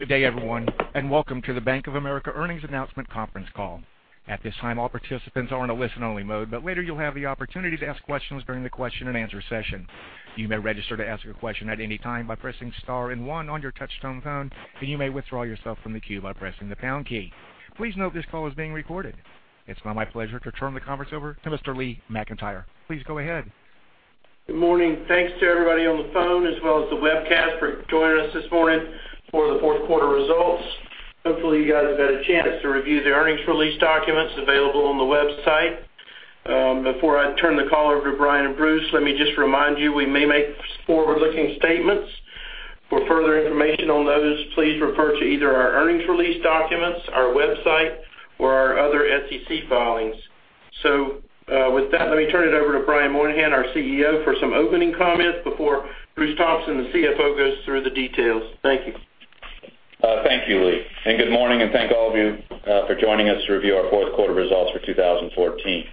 Good day, everyone, and welcome to the Bank of America earnings announcement conference call. At this time, all participants are in a listen-only mode, but later you'll have the opportunity to ask questions during the question-and-answer session. You may register to ask a question at any time by pressing star and one on your touchtone phone, and you may withdraw yourself from the queue by pressing the pound key. Please note this call is being recorded. It's now my pleasure to turn the conference over to Mr. Lee McEntire. Please go ahead. Good morning. Thanks to everybody on the phone as well as the webcast for joining us this morning for the fourth quarter results. Hopefully, you guys have had a chance to review the earnings release documents available on the website. Before I turn the call over to Brian and Bruce, let me just remind you, we may make forward-looking statements. For further information on those, please refer to either our earnings release documents, our website, or our other SEC filings. With that, let me turn it over to Brian Moynihan, our CEO, for some opening comments before Bruce Thompson, the CFO, goes through the details. Thank you. Thank you, Lee, and good morning, and thank all of you for joining us to review our fourth quarter results for 2014.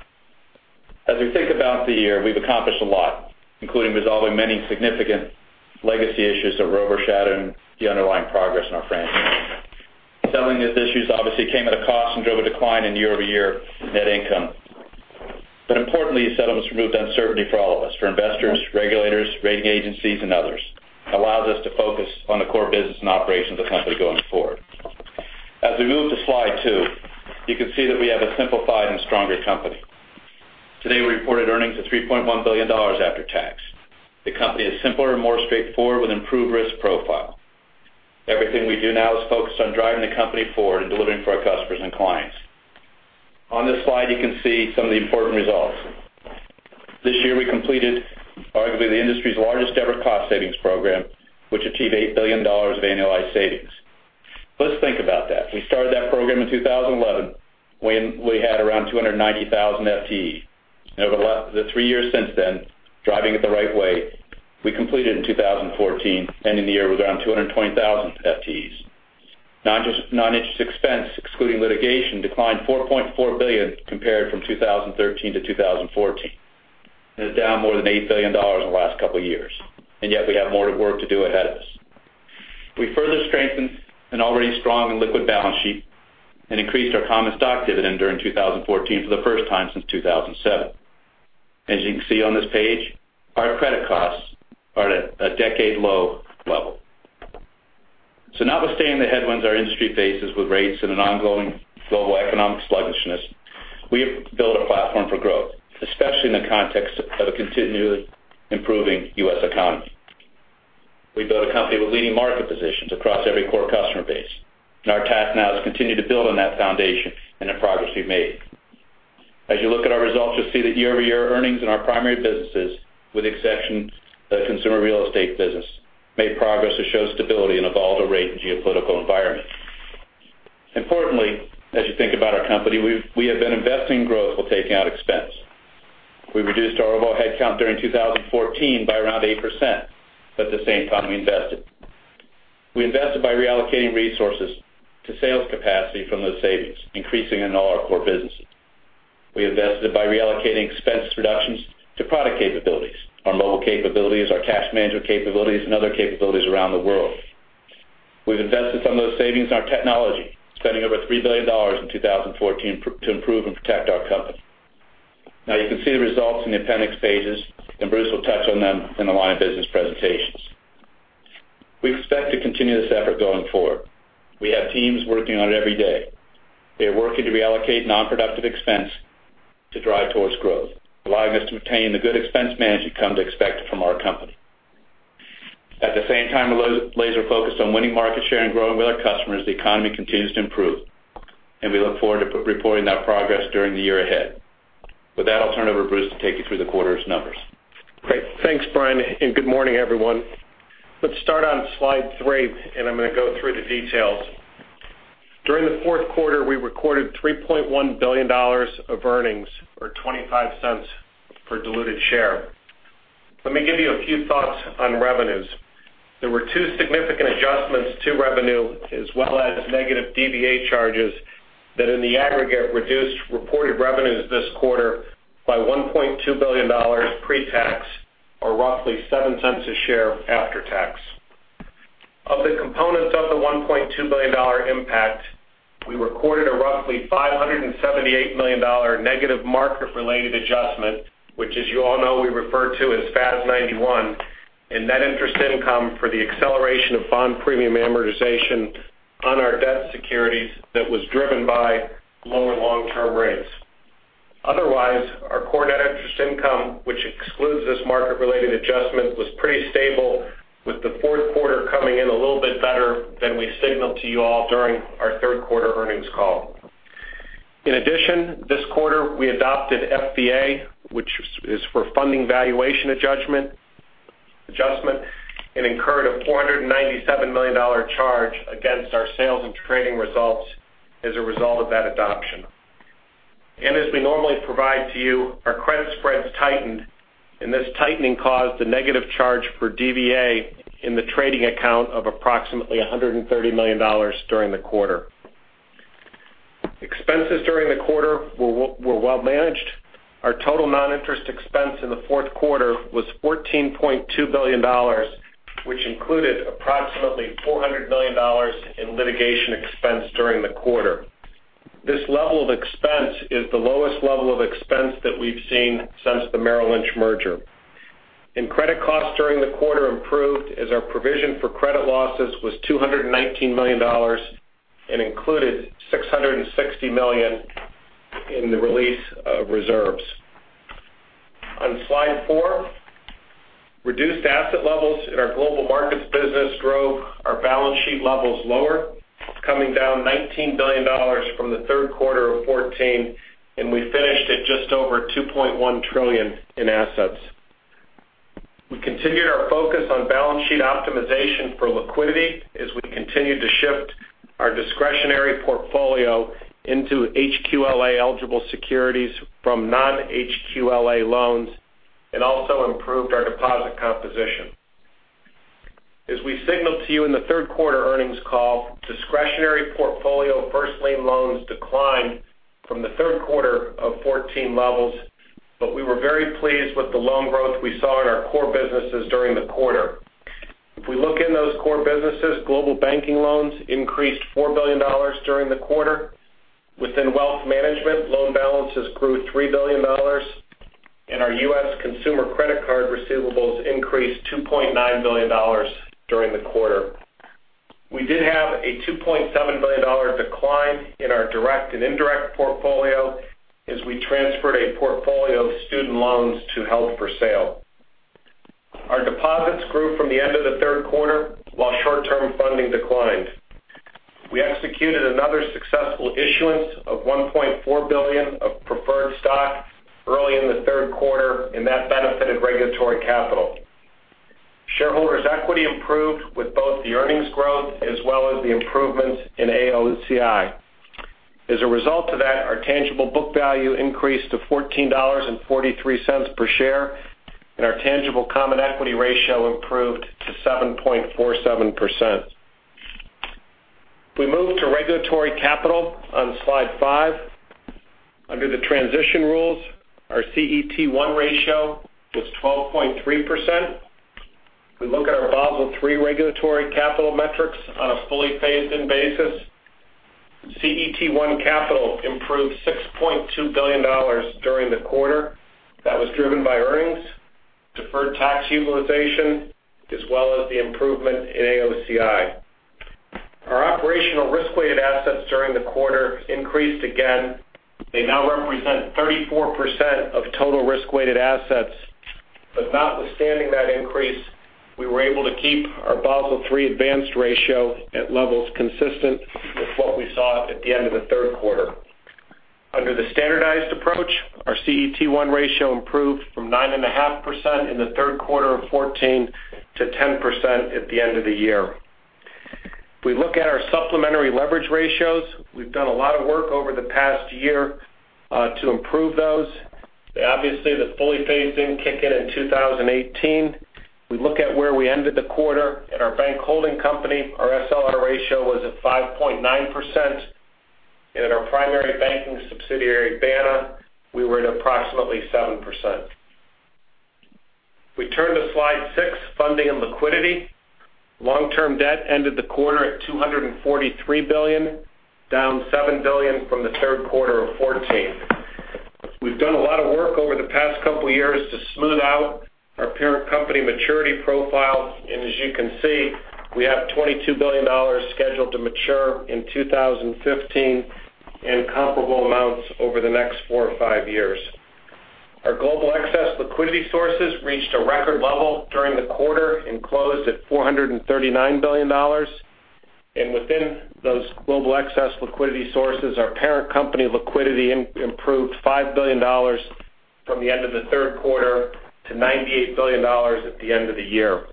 As we think about the year, we've accomplished a lot, including resolving many significant legacy issues that were overshadowing the underlying progress in our franchise. Settling these issues obviously came at a cost and drove a decline in year-over-year net income. Importantly, settlements removed uncertainty for all of us, for investors, regulators, rating agencies, and others. It allows us to focus on the core business and operations of the company going forward. As we move to slide two, you can see that we have a simplified and stronger company. Today, we reported earnings of $3.1 billion after tax. The company is simpler and more straightforward with improved risk profile. Everything we do now is focused on driving the company forward and delivering for our customers and clients. On this slide, you can see some of the important results. This year, we completed arguably the industry's largest ever cost savings program, which achieved $8 billion of annualized savings. Let's think about that. We started that program in 2011, when we had around 290,000 FTE. Over the three years since then, driving it the right way, we completed in 2014, ending the year with around 220,000 FTEs. Non-interest expense, excluding litigation, declined to $4.4 billion compared from 2013 to 2014. It's down more than $8 billion in the last couple of years. Yet we have more work to do ahead of us. We further strengthened an already strong and liquid balance sheet and increased our common stock dividend during 2014 for the first time since 2007. As you can see on this page, our credit costs are at a decade low level. Notwithstanding the headwinds our industry faces with rates and an ongoing global economic sluggishness, we have built a platform for growth, especially in the context of a continuously improving U.S. economy. We built a company with leading market positions across every core customer base. Our task now is to continue to build on that foundation and the progress we've made. As you look at our results, you'll see that year-over-year earnings in our primary businesses, with the exception of the Consumer Real Estate business, made progress to show stability in a volatile rate and geopolitical environment. Importantly, as you think about our company, we have been investing in growth while taking out expense. We reduced our overall headcount during 2014 by around 8%, but at the same time, we invested. We invested by reallocating resources to sales capacity from those savings, increasing in all our core businesses. We invested by reallocating expense reductions to product capabilities, our mobile capabilities, our cash management capabilities, and other capabilities around the world. We've invested some of those savings in our technology, spending over $3 billion in 2014 to improve and protect our company. You can see the results in the appendix pages, and Bruce will touch on them in the line of business presentations. We expect to continue this effort going forward. We have teams working on it every day. They are working to reallocate non-productive expense to drive towards growth, allowing us to maintain the good expense management you've come to expect from our company. At the same time, we're laser-focused on winning market share and growing with our customers. The economy continues to improve, and we look forward to reporting that progress during the year ahead. With that, I'll turn it over to Bruce to take you through the quarter's numbers. Great. Thanks, Brian, and good morning, everyone. Let's start on slide three, and I'm going to go through the details. During the fourth quarter, we recorded $3.1 billion of earnings, or $0.25 per diluted share. Let me give you a few thoughts on revenues. There were two significant adjustments to revenue, as well as negative DVA charges, that in the aggregate, reduced reported revenues this quarter by $1.2 billion pre-tax, or roughly $0.07 a share after tax. Of the components of the $1.2 billion impact, we recorded a roughly $578 million negative market-related adjustment, which, as you all know, we refer to as FAS 91, and net interest income for the acceleration of bond premium amortization on our debt securities that was driven by lower long-term rates. Otherwise, our core net interest income, which excludes this market-related adjustment, was pretty stable, with the fourth quarter coming in a little bit better than we signaled to you all during our third quarter earnings call. In addition, this quarter, we adopted FVA, which is for funding valuation adjustment, and incurred a $497 million charge against our sales and trading results as a result of that adoption. As we normally provide to you, our credit spreads tightened, and this tightening caused a negative charge for DVA in the trading account of approximately $130 million during the quarter. Expenses during the quarter were well managed. Our total non-interest expense in the fourth quarter was $14.2 billion, which included approximately $400 million in litigation expense during the quarter. This level of expense is the lowest level of expense that we've seen since the Merrill Lynch merger. Credit costs during the quarter improved as our provision for credit losses was $219 million and included $660 million in the release of reserves. On slide four, reduced asset levels in our Global Markets business drove our balance sheet levels lower. It's coming down $19 billion from the third quarter of 2014, and we finished at just over $2.1 trillion in assets. We continued our focus on balance sheet optimization for liquidity as we continued to shift our discretionary portfolio into HQLA-eligible securities from non-HQLA loans, and also improved our deposit composition. As we signaled to you in the third quarter earnings call, discretionary portfolio first lien loans declined from the third quarter of 2014 levels, but we were very pleased with the loan growth we saw in our core businesses during the quarter. If we look in those core businesses, Global Banking loans increased $4 billion during the quarter. Within Wealth Management, loan balances grew $3 billion. Our U.S. consumer credit card receivables increased $2.9 billion during the quarter. We did have a $2.7 billion decline in our direct and indirect portfolio as we transferred a portfolio of student loans to held for sale. Our deposits grew from the end of the third quarter while short-term funding declined. We executed another successful issuance of $1.4 billion of preferred stock early in the third quarter, and that benefited regulatory capital. Shareholders equity improved with both the earnings growth as well as the improvements in AOCI. As a result of that, our tangible book value increased to $14.43 per share, and our tangible common equity ratio improved to 7.47%. If we move to regulatory capital on Slide 5. Under the transition rules, our CET1 ratio was 12.3%. If we look at our Basel III regulatory capital metrics on a fully phased-in basis, CET1 capital improved $6.2 billion during the quarter. That was driven by earnings, deferred tax utilization, as well as the improvement in AOCI. Our Operational Risk-weighted assets during the quarter increased again. They now represent 34% of total risk-weighted assets. Notwithstanding that increase, we were able to keep our Basel III advanced ratio at levels consistent with what we saw at the end of the third quarter. Under the standardized approach, our CET1 ratio improved from 9.5% in the third quarter of 2014 to 10% at the end of the year. If we look at our supplementary leverage ratios, we've done a lot of work over the past year to improve those. Obviously, the fully phased-in kick in 2018. If we look at where we ended the quarter at our bank holding company, our SLR ratio was at 5.9%, and at our primary banking subsidiary, BANA, we were at approximately 7%. If we turn to slide six, funding and liquidity. Long-term debt ended the quarter at $243 billion, down $7 billion from the third quarter of 2014. We've done a lot of work over the past couple of years to smooth out our parent company maturity profiles, and as you can see, we have $22 billion scheduled to mature in 2015, and comparable amounts over the next four or five years. Our global excess liquidity sources reached a record level during the quarter and closed at $439 billion. Within those global excess liquidity sources, our parent company liquidity improved $5 billion from the end of the third quarter to $98 billion at the end of the year.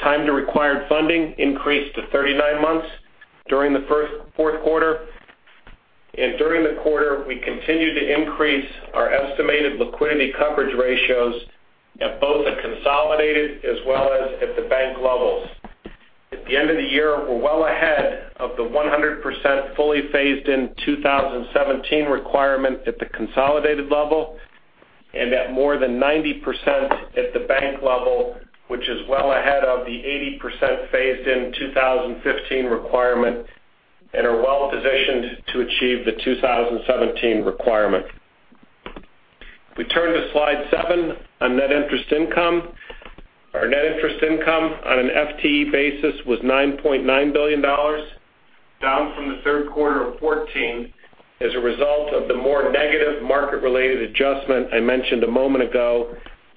Time to required funding increased to 39 months during the fourth quarter. During the quarter, we continued to increase our estimated liquidity coverage ratios at both the consolidated as well as at the bank levels. At the end of the year, we're well ahead of the 100% fully phased-in 2017 requirement at the consolidated level, and at more than 90% at the bank level, which is well ahead of the 80% phased-in 2015 requirement and are well-positioned to achieve the 2017 requirement. If we turn to slide seven on net interest income. Our NII on an FTE basis was $9.9 billion, down from the third quarter of 2014 as a result of the more negative market-related adjustment I mentioned a moment ago,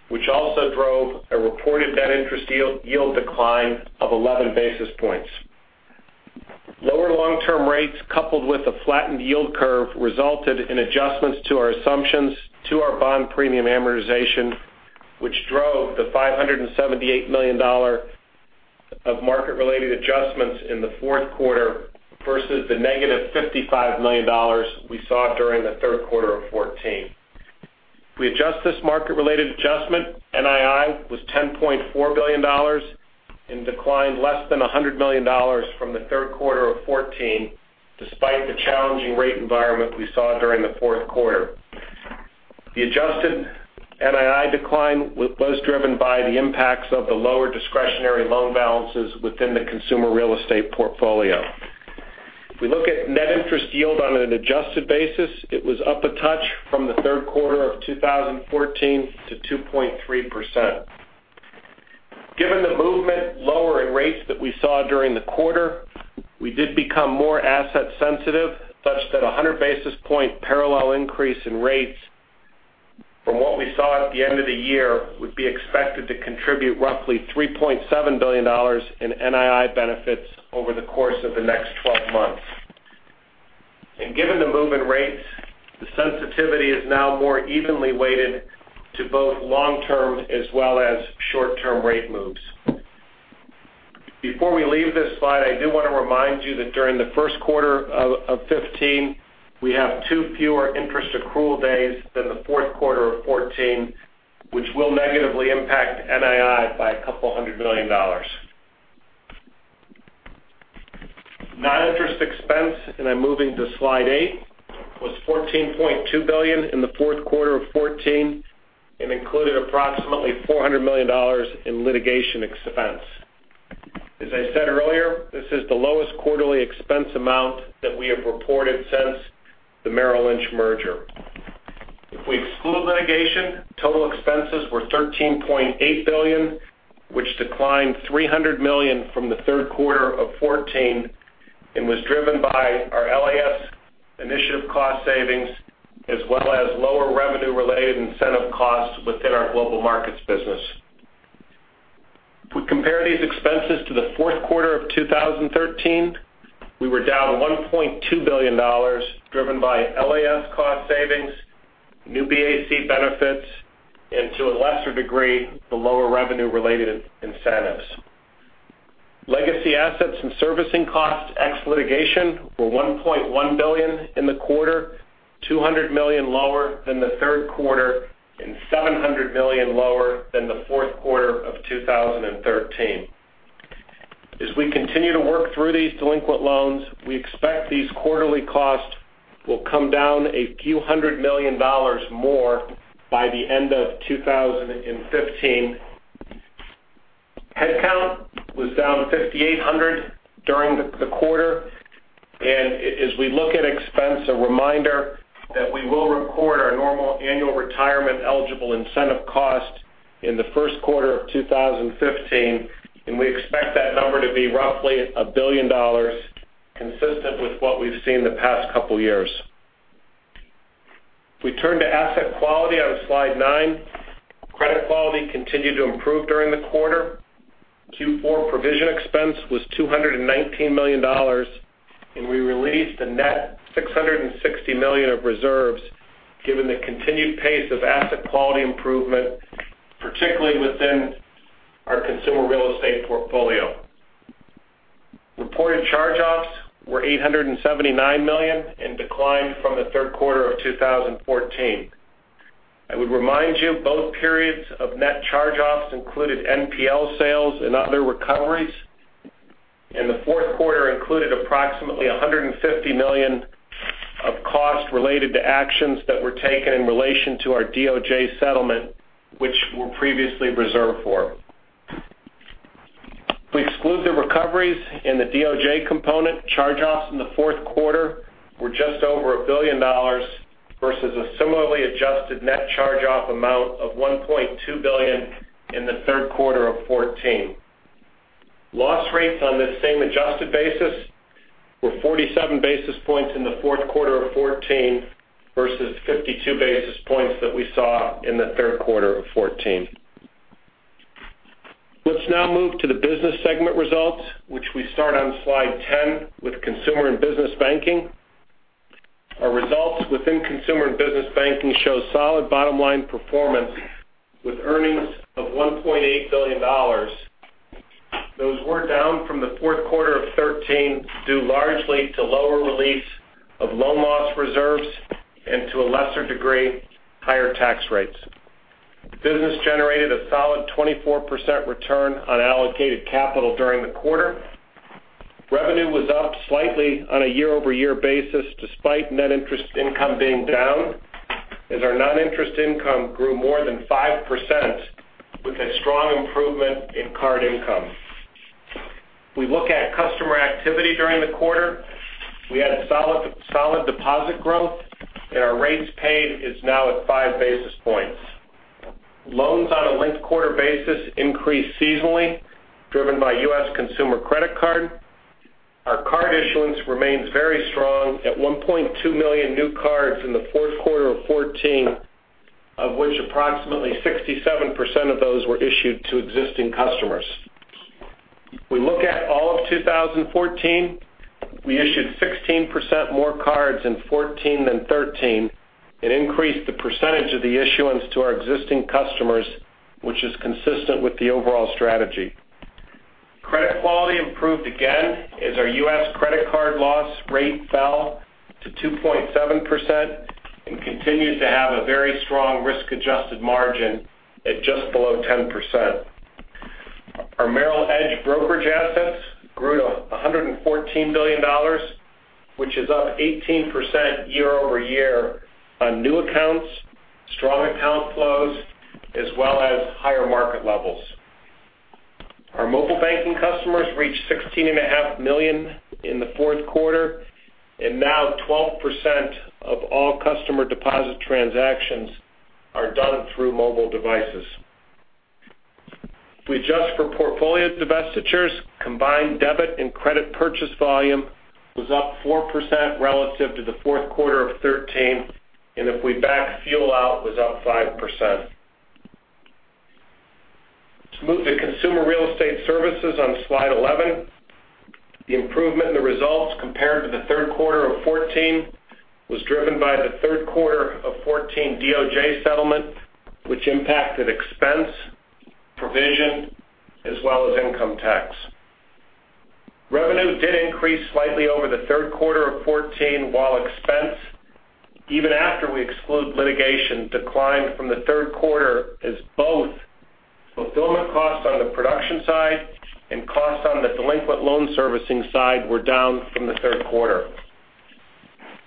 which also drove a reported net interest yield decline of 11 basis points. Lower long-term rates coupled with a flattened yield curve resulted in adjustments to our assumptions to our bond premium amortization, which drove the $578 million of market-related adjustments in the fourth quarter versus the negative $55 million we saw during the third quarter of 2014. We adjust this market-related adjustment. NII was $10.4 billion and declined less than $100 million from the third quarter of 2014, despite the challenging rate environment we saw during the fourth quarter. The adjusted NII decline was driven by the impacts of the lower discretionary loan balances within the consumer real estate portfolio. If we look at net interest yield on an adjusted basis, it was up a touch from the third quarter of 2014 to 2.3%. Given the movement lower in rates that we saw during the quarter, we did become more asset sensitive, such that a 100 basis point parallel increase in rates from what we saw at the end of the year would be expected to contribute roughly $3.7 billion in NII benefits over the course of the next 12 months. Given the move in rates, the sensitivity is now more evenly weighted to both long-term as well as short-term rate moves. Before we leave this slide, I do want to remind you that during the first quarter of 2015, we have two fewer interest accrual days than the fourth quarter of 2014, which will negatively impact NII by a couple hundred million dollars. Non-interest expense, and I'm moving to slide eight, was $14.2 billion in the fourth quarter of 2014 and included approximately $400 million in litigation expense. As I said earlier, this is the lowest quarterly expense amount that we have reported since the Merrill Lynch merger. If we exclude litigation, total expenses were $13.8 billion, which declined $300 million from the third quarter of 2014 and was driven by our LAS initiative cost savings as well as lower revenue-related incentive costs within our Global Markets business. If we compare these expenses to the fourth quarter of 2013, we were down $1.2 billion, driven by LAS cost savings, New BAC benefits, and to a lesser degree, the lower revenue-related incentives. Legacy Assets and Servicing costs ex litigation were $1.1 billion in the quarter, $200 million lower than the third quarter and $700 million lower than the fourth quarter of 2013. As we continue to work through these delinquent loans, we expect these quarterly costs will come down a few hundred million dollars more by the end of 2015. Headcount was down 5,800 during the quarter. As we look at expense, a reminder that we will record our normal annual retirement-eligible incentive cost in the first quarter of 2015, and we expect that number to be roughly $1 billion, consistent with what we've seen the past couple of years. If we turn to asset quality on Slide nine, credit quality continued to improve during the quarter. Q4 provision expense was $219 million, and we released a net $660 million of reserves given the continued pace of asset quality improvement, particularly within our consumer real estate portfolio. Reported charge-offs were $879 million and declined from the third quarter of 2014. I would remind you, both periods of net charge-offs included NPL sales and other recoveries, and the fourth quarter included approximately $150 million of costs related to actions that were taken in relation to our DOJ settlement, which were previously reserved for. If we exclude the recoveries and the DOJ component, charge-offs in the fourth quarter were just over $1 billion versus a similarly adjusted net charge-off amount of $1.2 billion in the third quarter of 2014. Loss rates on this same adjusted basis were 47 basis points in the fourth quarter of 2014 versus 52 basis points that we saw in the third quarter of 2014. Let's now move to the business segment results, which we start on Slide 10 with Consumer and Business Banking. Our results within Consumer and Business Banking show solid bottom-line performance with earnings of $1.8 billion. Those were down from the fourth quarter of 2013, due largely to lower release of loan loss reserves and, to a lesser degree, higher tax rates. The business generated a solid 24% return on allocated capital during the quarter. Revenue was up slightly on a year-over-year basis despite net interest income being down as our non-interest income grew more than 5% with a strong improvement in card income. If we look at customer activity during the quarter, we had a solid deposit growth, and our rates paid is now at five basis points. Loans on a linked-quarter basis increased seasonally, driven by U.S. consumer credit card. Our card issuance remains very strong at 1.2 million new cards in the fourth quarter of 2014, of which approximately 67% of those were issued to existing customers. If we look at all of 2014, we issued 16% more cards in 2014 than 2013. It increased the percentage of the issuance to our existing customers, which is consistent with the overall strategy. Credit quality improved again as our U.S. credit card loss rate fell to 2.7% and continues to have a very strong risk-adjusted margin at just below 10%. Our Merrill Edge brokerage assets grew to $114 billion, which is up 18% year-over-year on new accounts, strong account flows, as well as higher market levels. Our mobile banking customers reached 16.5 million in the fourth quarter, and now 12% of all customer deposit transactions are done through mobile devices. If we adjust for portfolio divestitures, combined debit and credit purchase volume was up 4% relative to the fourth quarter of 2013, and if we back fuel out, was up 5%. Let's move to Consumer Real Estate Services on slide 11. The improvement in the results compared to the third quarter of 2014 was driven by the third quarter of 2014 DOJ settlement, which impacted expense, provision, as well as income tax. Revenue did increase slightly over the third quarter of 2014, while expense, even after we exclude litigation, declined from the third quarter, as both fulfillment costs on the production side and costs on the delinquent loan servicing side were down from the third quarter.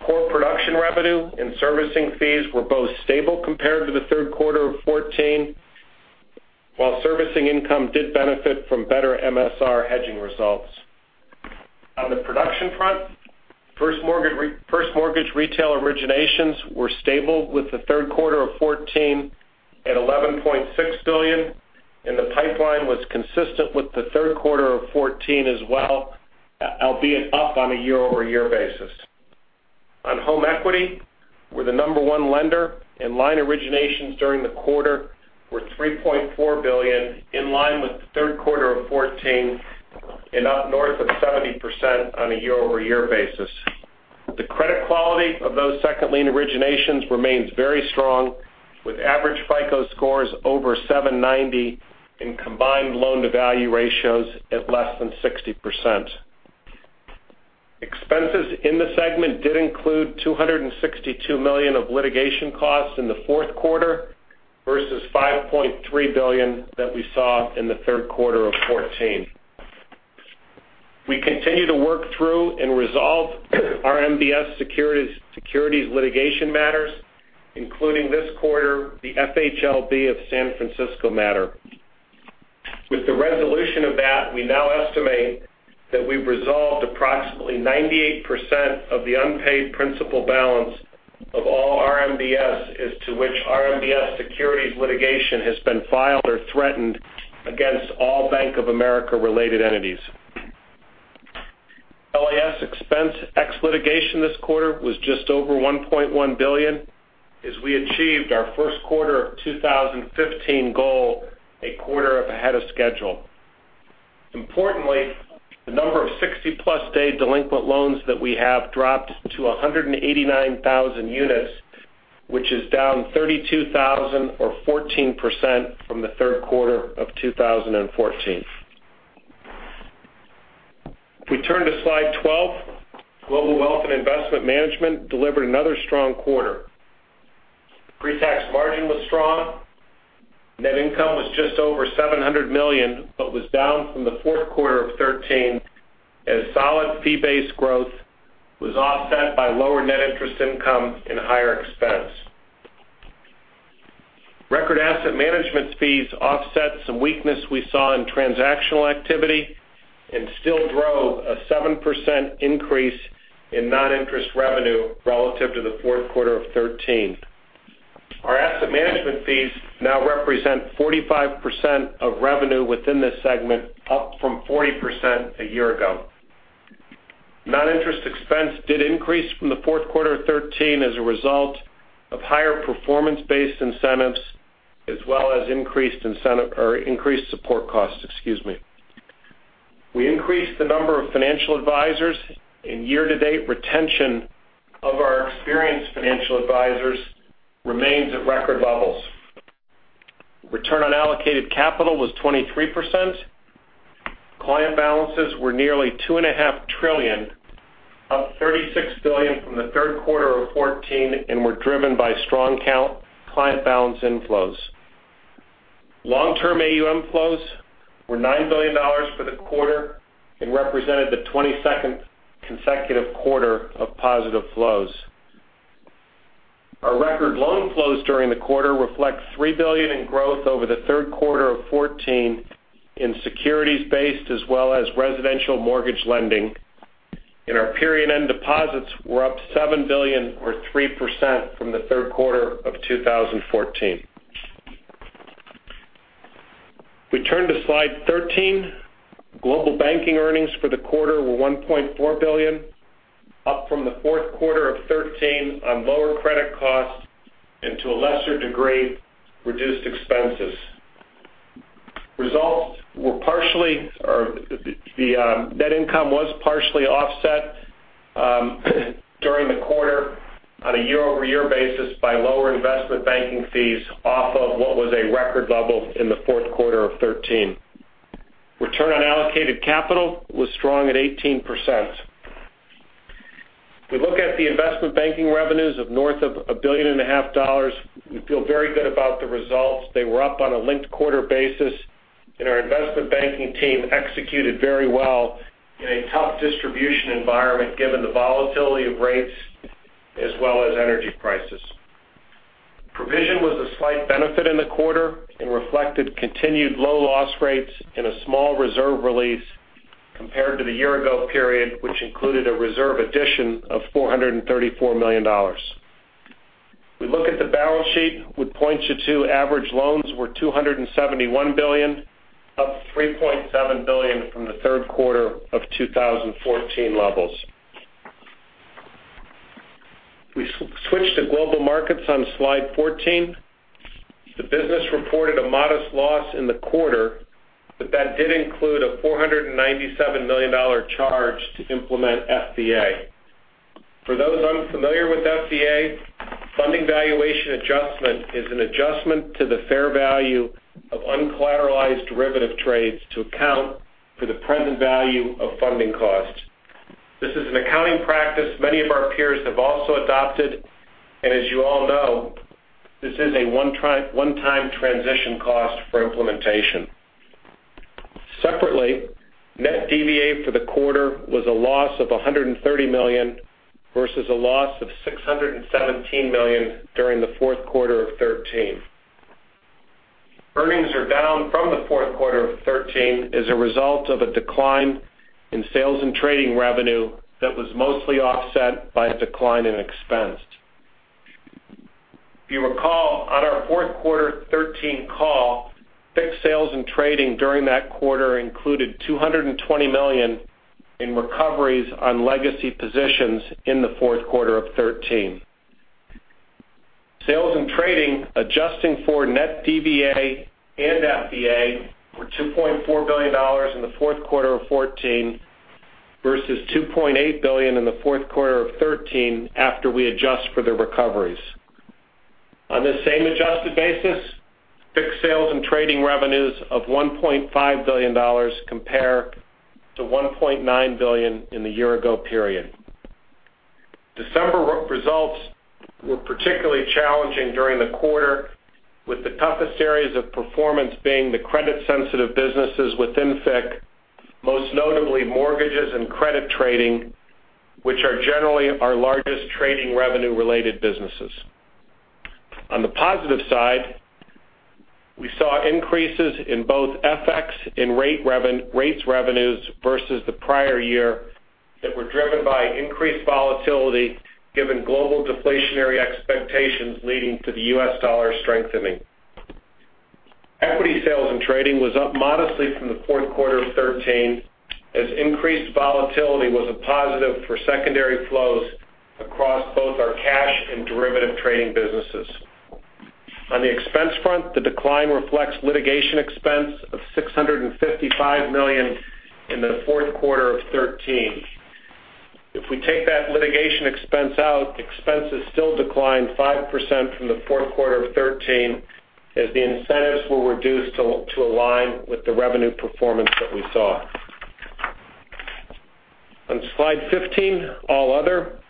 Core production revenue and servicing fees were both stable compared to the third quarter of 2014, while servicing income did benefit from better MSR hedging results. On the production front, first mortgage retail originations were stable with the third quarter of 2014 at $11.6 billion, and the pipeline was consistent with the third quarter of 2014 as well, albeit up on a year-over-year basis. On home equity, we're the number 1 lender, and line originations during the quarter were $3.4 billion, in line with the third quarter of 2014 and up north of 70% on a year-over-year basis. The credit quality of those second lien originations remains very strong, with average FICO scores over 790 and combined loan-to-value ratios at less than 60%. Expenses in the segment did include $262 million of litigation costs in the fourth quarter versus $5.3 billion that we saw in the third quarter of 2014. We continue to work through and resolve RMBS securities litigation matters, including this quarter, the FHLB of San Francisco matter. With the resolution of that, we now estimate that we've resolved approximately 98% of the unpaid principal balance of all RMBS as to which RMBS securities litigation has been filed or threatened against all Bank of America-related entities. LAS expense ex litigation this quarter was just over $1.1 billion, as we achieved our first quarter of 2015 goal a quarter ahead of schedule. Importantly, the number of 60-plus day delinquent loans that we have dropped to 189,000 units, which is down 32,000 or 14% from the third quarter of 2014. If we turn to slide 12, Global Wealth and Investment Management delivered another strong quarter. Pre-tax margin was strong. Net income was just over $700 million, but was down from the fourth quarter of 2013 as solid fee-based growth was offset by lower net interest income and higher expense. Record asset management fees offset some weakness we saw in transactional activity and still drove a 7% increase in non-interest revenue relative to the fourth quarter of 2013. Our asset management fees now represent 45% of revenue within this segment, up from 40% a year ago. Non-interest expense did increase from the fourth quarter of 2013 as a result of higher performance-based incentives, as well as increased support costs, excuse me. We increased the number of financial advisors, and year-to-date retention of our experienced financial advisors remains at record levels. Return on allocated capital was 23%. Client balances were nearly $2.5 trillion, up $36 billion from the third quarter of 2014, and were driven by strong count client balance inflows. Long-term AUM flows were $9 billion for the quarter and represented the 22nd consecutive quarter of positive flows. Our record loan flows during the quarter reflect $3 billion in growth over the third quarter of 2014 in securities-based as well as residential mortgage lending, and our period-end deposits were up $7 billion or 3% from the third quarter of 2014. If we turn to slide 13, Global Banking earnings for the quarter were $1.4 billion, up from the fourth quarter of 2013 on lower credit costs and, to a lesser degree, reduced expenses. Net income was partially offset during the quarter, on a year-over-year basis, by lower investment banking fees off of what was a record level in the fourth quarter of 2013. Return on allocated capital was strong at 18%. We look at the investment banking revenues of north of $1.5 billion. We feel very good about the results. They were up on a linked-quarter basis, and our investment banking team executed very well in a tough distribution environment given the volatility of rates as well as energy prices. Provision was a slight benefit in the quarter and reflected continued low loss rates and a small reserve release compared to the year-ago period, which included a reserve addition of $434 million. We look at the balance sheet with points to two. Average loans were $271 billion, up $3.7 billion from the third quarter of 2014 levels. If we switch to Global Markets on Slide 14. The business reported a modest loss in the quarter, but that did include a $497 million charge to implement FVA. For those unfamiliar with FVA, Funding Valuation Adjustment is an adjustment to the fair value of uncollateralized derivative trades to account for the present value of funding costs. This is an accounting practice many of our peers have also adopted. As you all know, this is a one-time transition cost for implementation. Separately, net DVA for the quarter was a loss of $130 million versus a loss of $617 million during the fourth quarter of 2013. Earnings are down from the fourth quarter of 2013 as a result of a decline in sales and trading revenue that was mostly offset by a decline in expense. If you recall, on our fourth quarter 2013 call, fixed sales and trading during that quarter included $220 million in recoveries on legacy positions in the fourth quarter of 2013. Sales and trading, adjusting for net DVA and FVA, were $2.4 billion in the fourth quarter of 2014 versus $2.8 billion in the fourth quarter of 2013 after we adjust for the recoveries. On this same adjusted basis, fixed sales and trading revenues of $1.5 billion compare to $1.9 billion in the year-ago period. December results were particularly challenging during the quarter, with the toughest areas of performance being the credit-sensitive businesses within FICC, most notably mortgages and credit trading, which are generally our largest trading revenue-related businesses. On the positive side, we saw increases in both FX and rates revenues versus the prior year that were driven by increased volatility given global deflationary expectations leading to the US dollar strengthening. Equity sales and trading was up modestly from the fourth quarter of 2013, as increased volatility was a positive for secondary flows across both our cash and derivative trading businesses. On the expense front, the decline reflects litigation expense of $655 million in the fourth quarter of 2013. If we take that litigation expense out, expenses still declined 5% from the fourth quarter of 2013 as the incentives were reduced to align with the revenue performance that we saw. On Slide 15, All Other.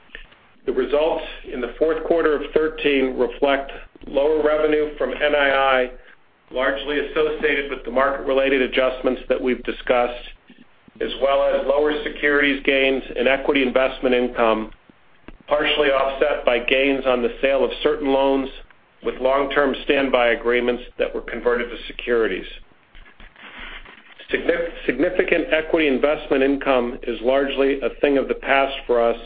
The results in the fourth quarter of 2013 reflect lower revenue from NII, largely associated with the market-related adjustments that we've discussed, as well as lower securities gains and equity investment income, partially offset by gains on the sale of certain loans with long-term standby agreements that were converted to securities. Significant equity investment income is largely a thing of the past for us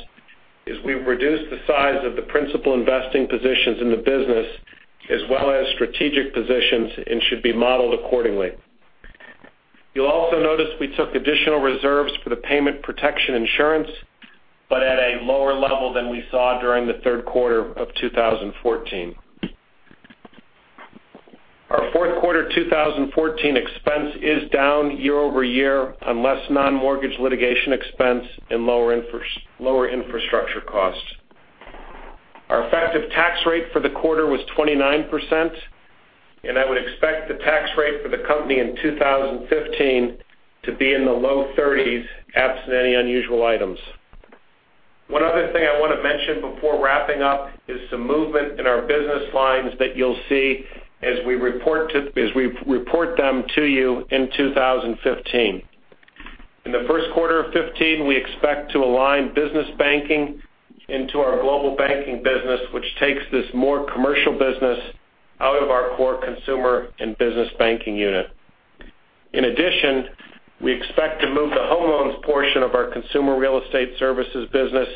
as we've reduced the size of the principal investing positions in the business as well as strategic positions and should be modeled accordingly. You'll also notice we took additional reserves for the payment protection insurance, but at a lower level than we saw during the third quarter of 2014. Our fourth quarter 2014 expense is down year-over-year on less non-mortgage litigation expense and lower infrastructure costs. Our effective tax rate for the quarter was 29%. I would expect the tax rate for the company in 2015 to be in the low 30s, absent any unusual items. One other thing I want to mention before wrapping up is some movement in our business lines that you'll see as we report them to you in 2015. In the first quarter of 2015, we expect to align business banking into our Global Banking business, which takes this more commercial business out of our core Consumer and Business Banking unit. In addition, we expect to move the home loans portion of our Consumer Real Estate Services business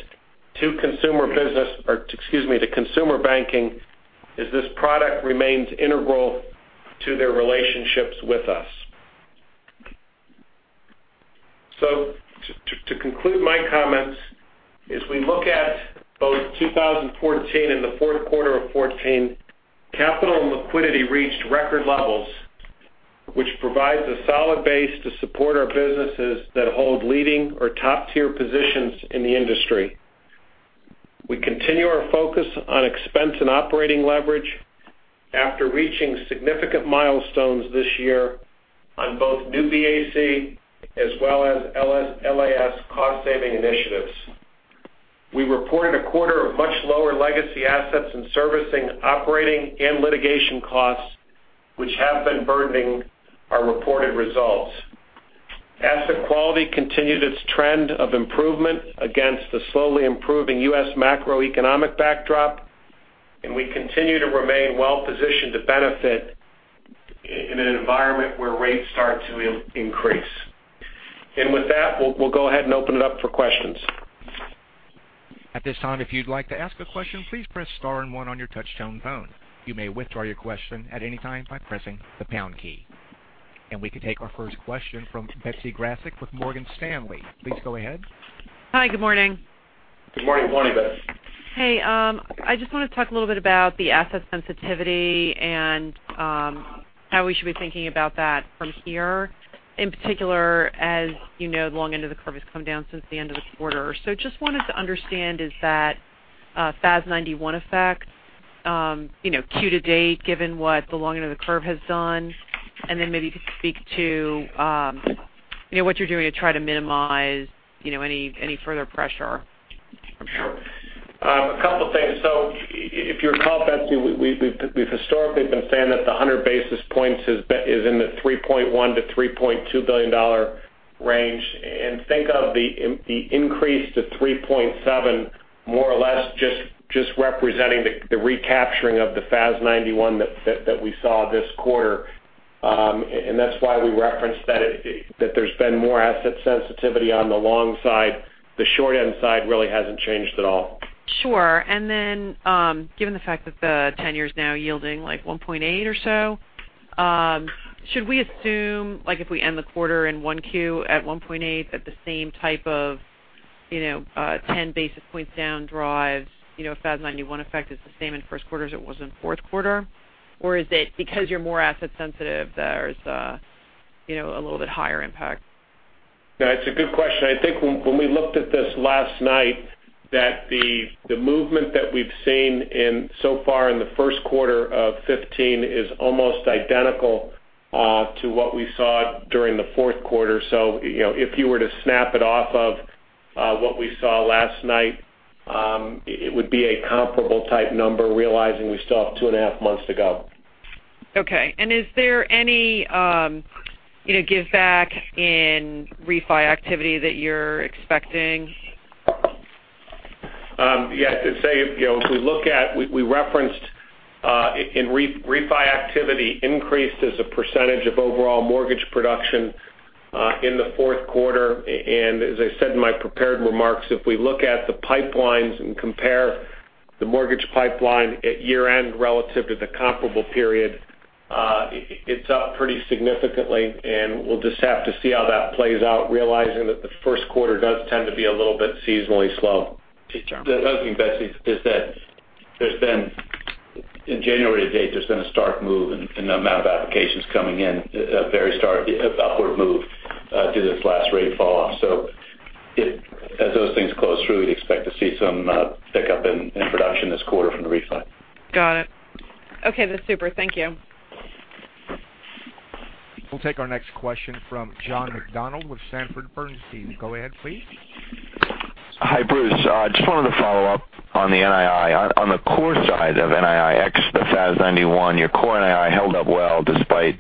to Consumer Banking, as this product remains integral to their relationships with us. To conclude my comments, as we look at both 2014 and the fourth quarter of 2014, capital and liquidity reached record levels which provides a solid base to support our businesses that hold leading or top-tier positions in the industry. We continue our focus on expense and operating leverage after reaching significant milestones this year on both New BAC as well as LAS cost-saving initiatives. We reported a quarter of much lower legacy assets in servicing, operating, and litigation costs, which have been burdening our reported results. Asset quality continued its trend of improvement against the slowly improving U.S. macroeconomic backdrop. We continue to remain well-positioned to benefit in an environment where rates start to increase. With that, we'll go ahead and open it up for questions. At this time, if you'd like to ask a question, please press star and one on your touchtone phone. You may withdraw your question at any time by pressing the pound key. We can take our first question from Betsy Graseck with Morgan Stanley. Please go ahead. Hi. Good morning. Good morning, Betsy. Hey, I just want to talk a little bit about the asset sensitivity and how we should be thinking about that from here. In particular, as you know, the long end of the curve has come down since the end of the quarter. Just wanted to understand, is that FAS 91 effect, Q to date, given what the long end of the curve has done? Then maybe you could speak to what you're doing to try to minimize any further pressure. If you recall, Betsy, we've historically been saying that the 100 basis points is in the $3.1 billion-$3.2 billion range. Think of the increase to $3.7 billion more or less just representing the recapturing of the FAS 91 that we saw this quarter. That's why we referenced that there's been more asset sensitivity on the long side. The short end side really hasn't changed at all. Sure. Given the fact that the 10-year is now yielding like 1.8% or so, should we assume if we end the quarter in 1Q at 1.8%, that the same type of 10 basis points down drives FAS 91 effect is the same in first quarter as it was in fourth quarter? Is it because you're more asset sensitive, there's a little bit higher impact? No, it's a good question. I think when we looked at this last night that the movement that we've seen so far in the first quarter of 2015 is almost identical to what we saw during the fourth quarter. If you were to snap it off of what we saw last night, it would be a comparable type number, realizing we still have two and a half months to go. Okay. Is there any giveback in refi activity that you're expecting? Yeah. I'd say, if we referenced refi activity increased as a percentage of overall mortgage production in the fourth quarter. As I said in my prepared remarks, if we look at the pipelines and compare the mortgage pipeline at year-end relative to the comparable period, it's up pretty significantly, and we'll just have to see how that plays out, realizing that the first quarter does tend to be a little bit seasonally slow. Peter. The other thing, Betsy, is that in January to date, there's been a stark move in the amount of applications coming in, a very stark upward move due to this last rate fall-off. As those things close through, we'd expect to see some pickup in production this quarter from the refi. Got it. Okay, that's super. Thank you. We'll take our next question from John McDonald with Sanford Bernstein. Go ahead, please. Hi, Bruce. Just wanted to follow up on the NII. On the core side of NII, the FAS 91, your core NII held up well despite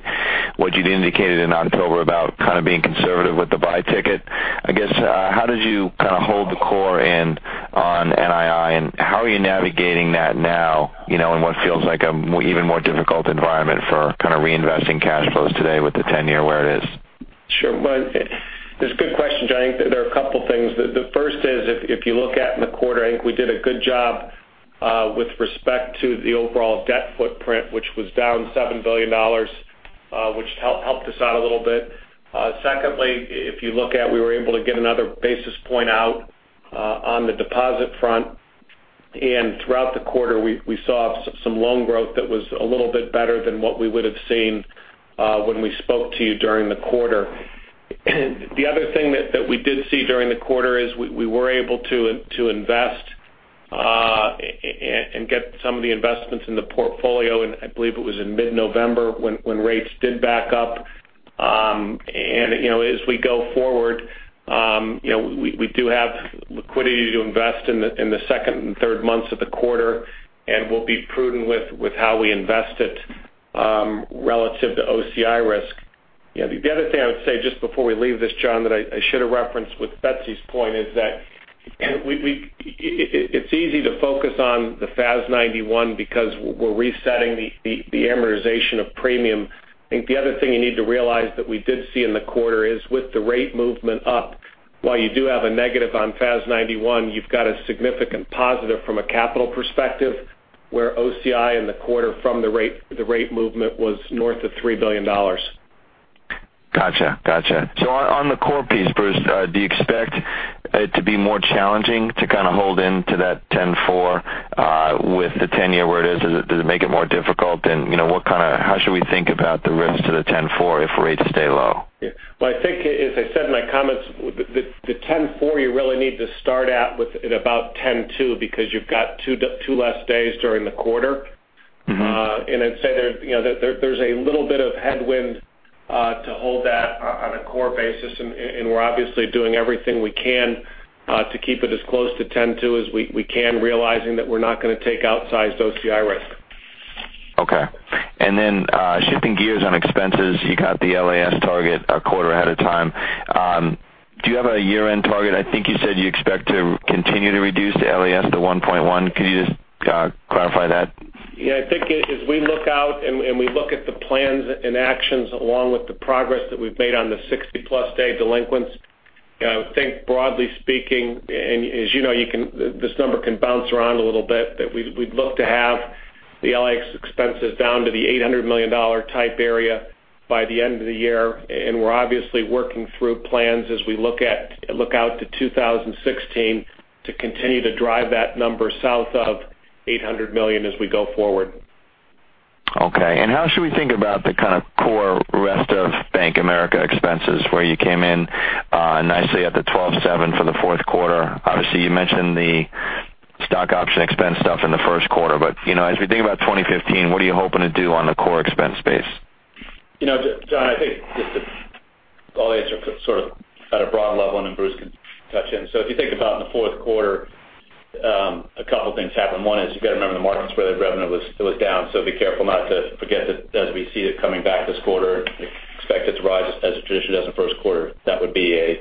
what you'd indicated in October about kind of being conservative with the buy ticket. I guess, how did you kind of hold the core in on NII, and how are you navigating that now in what feels like an even more difficult environment for kind of reinvesting cash flows today with the 10-year where it is? Sure. It's a good question, John. I think that there are a couple things. The first is, if you look at in the quarter, I think we did a good job with respect to the overall debt footprint, which was down $7 billion, which helped us out a little bit. Secondly, if you look at, we were able to get another basis point out on the deposit front. Throughout the quarter, we saw some loan growth that was a little bit better than what we would have seen when we spoke to you during the quarter. The other thing that we did see during the quarter is we were able to invest and get some of the investments in the portfolio in, I believe it was in mid-November when rates did back up. As we go forward, we do have liquidity to invest in the second and third months of the quarter, and we'll be prudent with how we invest it relative to OCI risk. The other thing I would say, just before we leave this, John, that I should have referenced with Betsy's point is that it's easy to focus on the FAS 91 because we're resetting the amortization of premium. I think the other thing you need to realize that we did see in the quarter is with the rate movement up, while you do have a negative on FAS 91, you've got a significant positive from a capital perspective, where OCI in the quarter from the rate movement was north of $3 billion. Got you. On the core piece, Bruce, do you expect it to be more challenging to kind of hold into that 10.4 with the 10-year where it is? Does it make it more difficult than, how should we think about the risk to the 10.4 if rates stay low? Well, I think as I said in my comments, the 10.4 you really need to start at with about 10.2 because you've got two less days during the quarter. I'd say there's a little bit of headwind to hold that on a core basis, and we're obviously doing everything we can to keep it as close to 10.2 as we can, realizing that we're not going to take outsized OCI risk. Okay. Shifting gears on expenses, you got the LAS target a quarter ahead of time. Do you have a year-end target? I think you said you expect to continue to reduce the LAS to 1.1. Can you just clarify that? Yeah, I think as we look out and we look at the plans and actions along with the progress that we've made on the 60-plus day delinquents, I would think broadly speaking, and as you know, this number can bounce around a little bit, that we'd look to have the LAS expenses down to the $800 million type area by the end of the year. We're obviously working through plans as we look out to 2016 to continue to drive that number south of $800 million as we go forward. Okay. How should we think about the kind of core rest of Bank of America expenses where you came in nicely at the $12.7 for the fourth quarter? Obviously, you mentioned the stock option expense stuff in the first quarter, as we think about 2015, what are you hoping to do on the core expense base? John, I'll answer sort of at a broad level, Bruce can touch in. If you think about in the fourth quarter, a couple of things happened. One is you've got to remember the markets where the revenue it was down, be careful not to forget that as we see it coming back this quarter, expect it to rise as it traditionally does in the first quarter. That would be an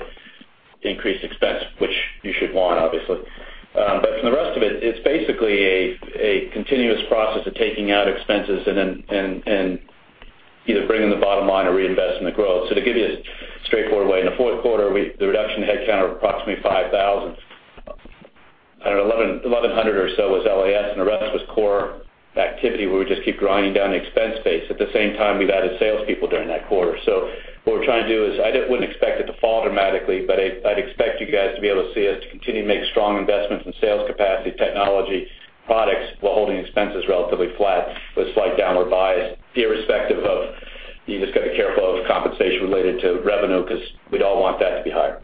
increased expense, which you should want, obviously. For the rest of it's basically a continuous process of taking out expenses either bringing the bottom line or reinvesting the growth. To give you a straightforward way, in the fourth quarter, the reduction in headcount of approximately 5,000. 1,100 or so was LAS, and the rest was core activity where we just keep grinding down the expense base. At the same time, we've added salespeople during that quarter. What we're trying to do is, I wouldn't expect it to fall dramatically, I'd expect you guys to be able to see us continue to make strong investments in sales capacity, technology, products, while holding expenses relatively flat with a slight downward bias, irrespective of, you just got to be careful of compensation related to revenue because we'd all want that to be higher.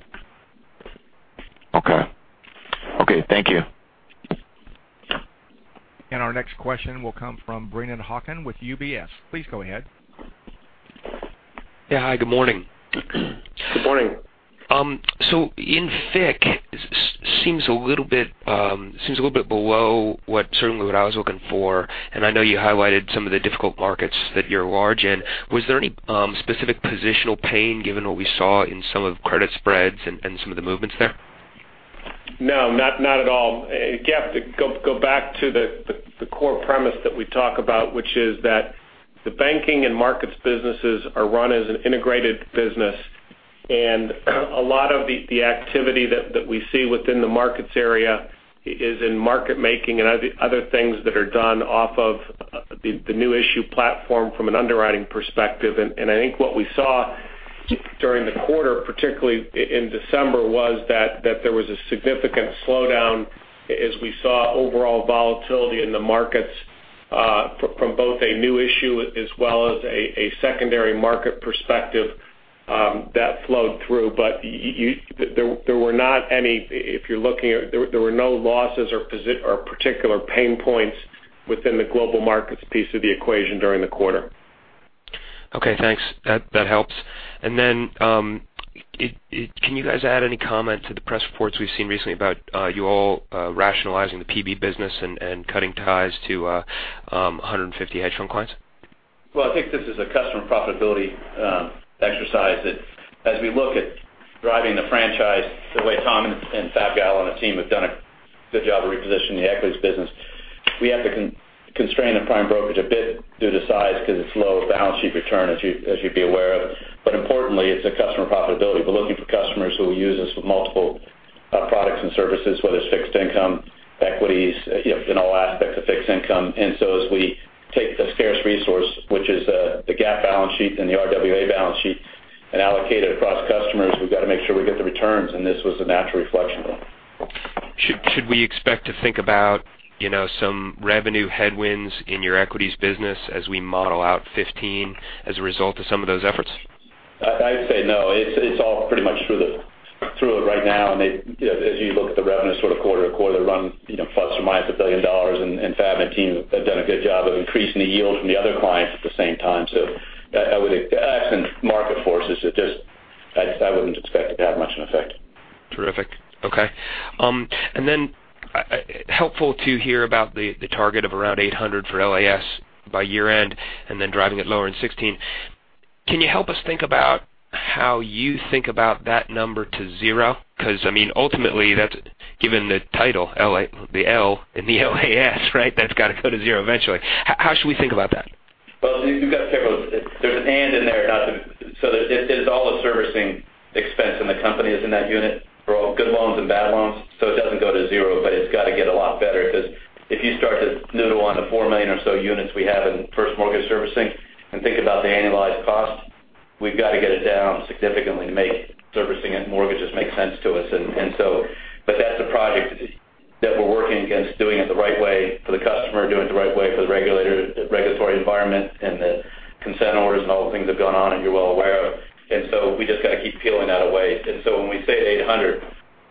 Okay. Thank you. Our next question will come from Brennan Hawken with UBS. Please go ahead. Yeah. Hi, good morning. Good morning. In FICC, seems a little bit below what certainly what I was looking for, and I know you highlighted some of the difficult markets that you're large in. Was there any specific positional pain given what we saw in some of the credit spreads and some of the movements there? No, not at all. You have to go back to the core premise that we talk about, which is that the banking and Global Markets businesses are run as an integrated business, and a lot of the activity that we see within the markets area is in market making and other things that are done off of the new issue platform from an underwriting perspective. I think what we saw during the quarter, particularly in December, was that there was a significant slowdown as we saw overall volatility in the markets from both a new issue as well as a secondary market perspective that flowed through. There were no losses or particular pain points within the Global Markets piece of the equation during the quarter. Okay, thanks. That helps. Can you guys add any comment to the press reports we've seen recently about you all rationalizing the PB business and cutting ties to 150 hedge fund clients? Well, I think this is a customer profitability exercise that as we look at driving the franchise the way Tom and Fab Gallo and the team have done a good job of repositioning the equities business. We have to constrain the prime brokerage a bit due to size because it's low balance sheet return, as you'd be aware of. Importantly, it's a customer profitability. We're looking for customers who will use us with multiple products and services, whether it's fixed income, equities, in all aspects of fixed income. As we take the scarce resource, which is the GAAP balance sheet and the RWA balance sheet, and allocate it across customers, we've got to make sure we get the returns, and this was a natural reflection of it. Should we expect to think about some revenue headwinds in your equities business as we model out 2015 as a result of some of those efforts? I'd say no. It's all pretty much through it right now, and as you look at the revenue sort of quarter-to-quarter run, ±$1 billion, and Fab and the team have done a good job of increasing the yield from the other clients at the same time. I would say, absent market forces, I wouldn't expect it to have much of an effect. Terrific. Okay. Helpful to hear about the target of around 800 for LAS by year-end and then driving it lower in 2016. Can you help us think about how you think about that number to zero? Ultimately, given the title, the L in the LAS, right? That's got to go to zero eventually. How should we think about that? You've got to be careful. There's an and in there. It is all a servicing expense, and the company is in that unit for all good loans and bad loans. It doesn't go to zero, but it's got to get a lot better because if you start to noodle on the 4 million or so units we have in first mortgage servicing and think about the annualized cost, we've got to get it down significantly to make servicing mortgages make sense to us. That's a project that we're working against doing it the right way for the customer, doing it the right way for the regulatory environment, and the consent orders and all the things that have gone on that you're well aware of. We just got to keep peeling that away. When we say 800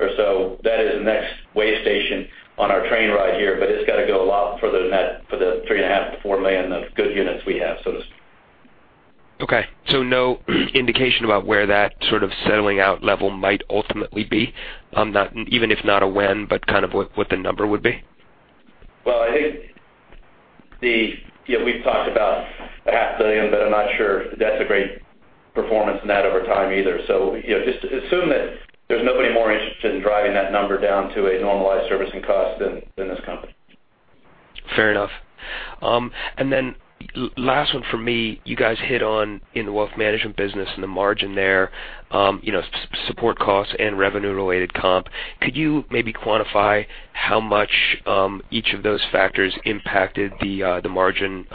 or so, that is the next way station on our train ride here. It's got to go a lot further than that for the 3.5 million-4 million of good units we have. Okay, no indication about where that sort of settling out level might ultimately be? Even if not a when, but kind of what the number would be? Well, I think we've talked about a half billion, I'm not sure that's a great performance net over time either. Just assume that there's nobody more interested in driving that number down to a normalized servicing cost than this company. Fair enough. Last one from me. You guys hit on in the wealth management business and the margin there, support costs and revenue-related comp. Could you maybe quantify how much each of those factors impacted the margin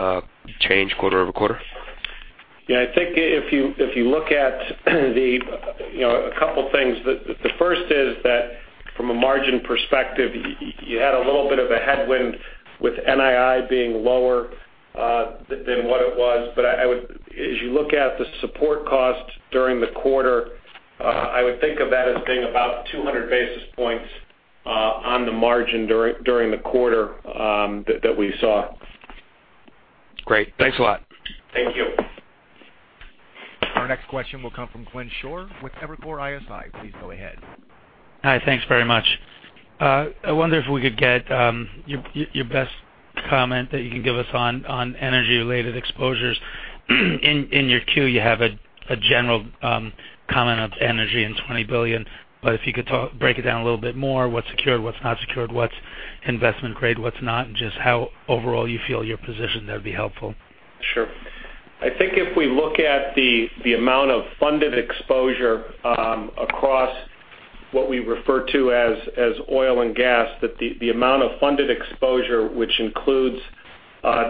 change quarter-over-quarter? Yeah, I think if you look at a couple of things. The first is that from a margin perspective, you had a little bit of a headwind with NII being lower than what it was. As you look at the support costs during the quarter, I would think of that as being about 200 basis points on the margin during the quarter that we saw. Great. Thanks a lot. Thank you. Our next question will come from Glenn Schorr with Evercore ISI. Please go ahead. Hi. Thanks very much. I wonder if we could get your best comment that you can give us on energy-related exposures. In your Q, you have a general comment of energy and $20 billion, but if you could break it down a little bit more, what's secured, what's not secured, what's investment grade, what's not, and just how overall you feel you're positioned, that'd be helpful. Sure. I think if we look at the amount of funded exposure across what we refer to as oil and gas, that the amount of funded exposure, which includes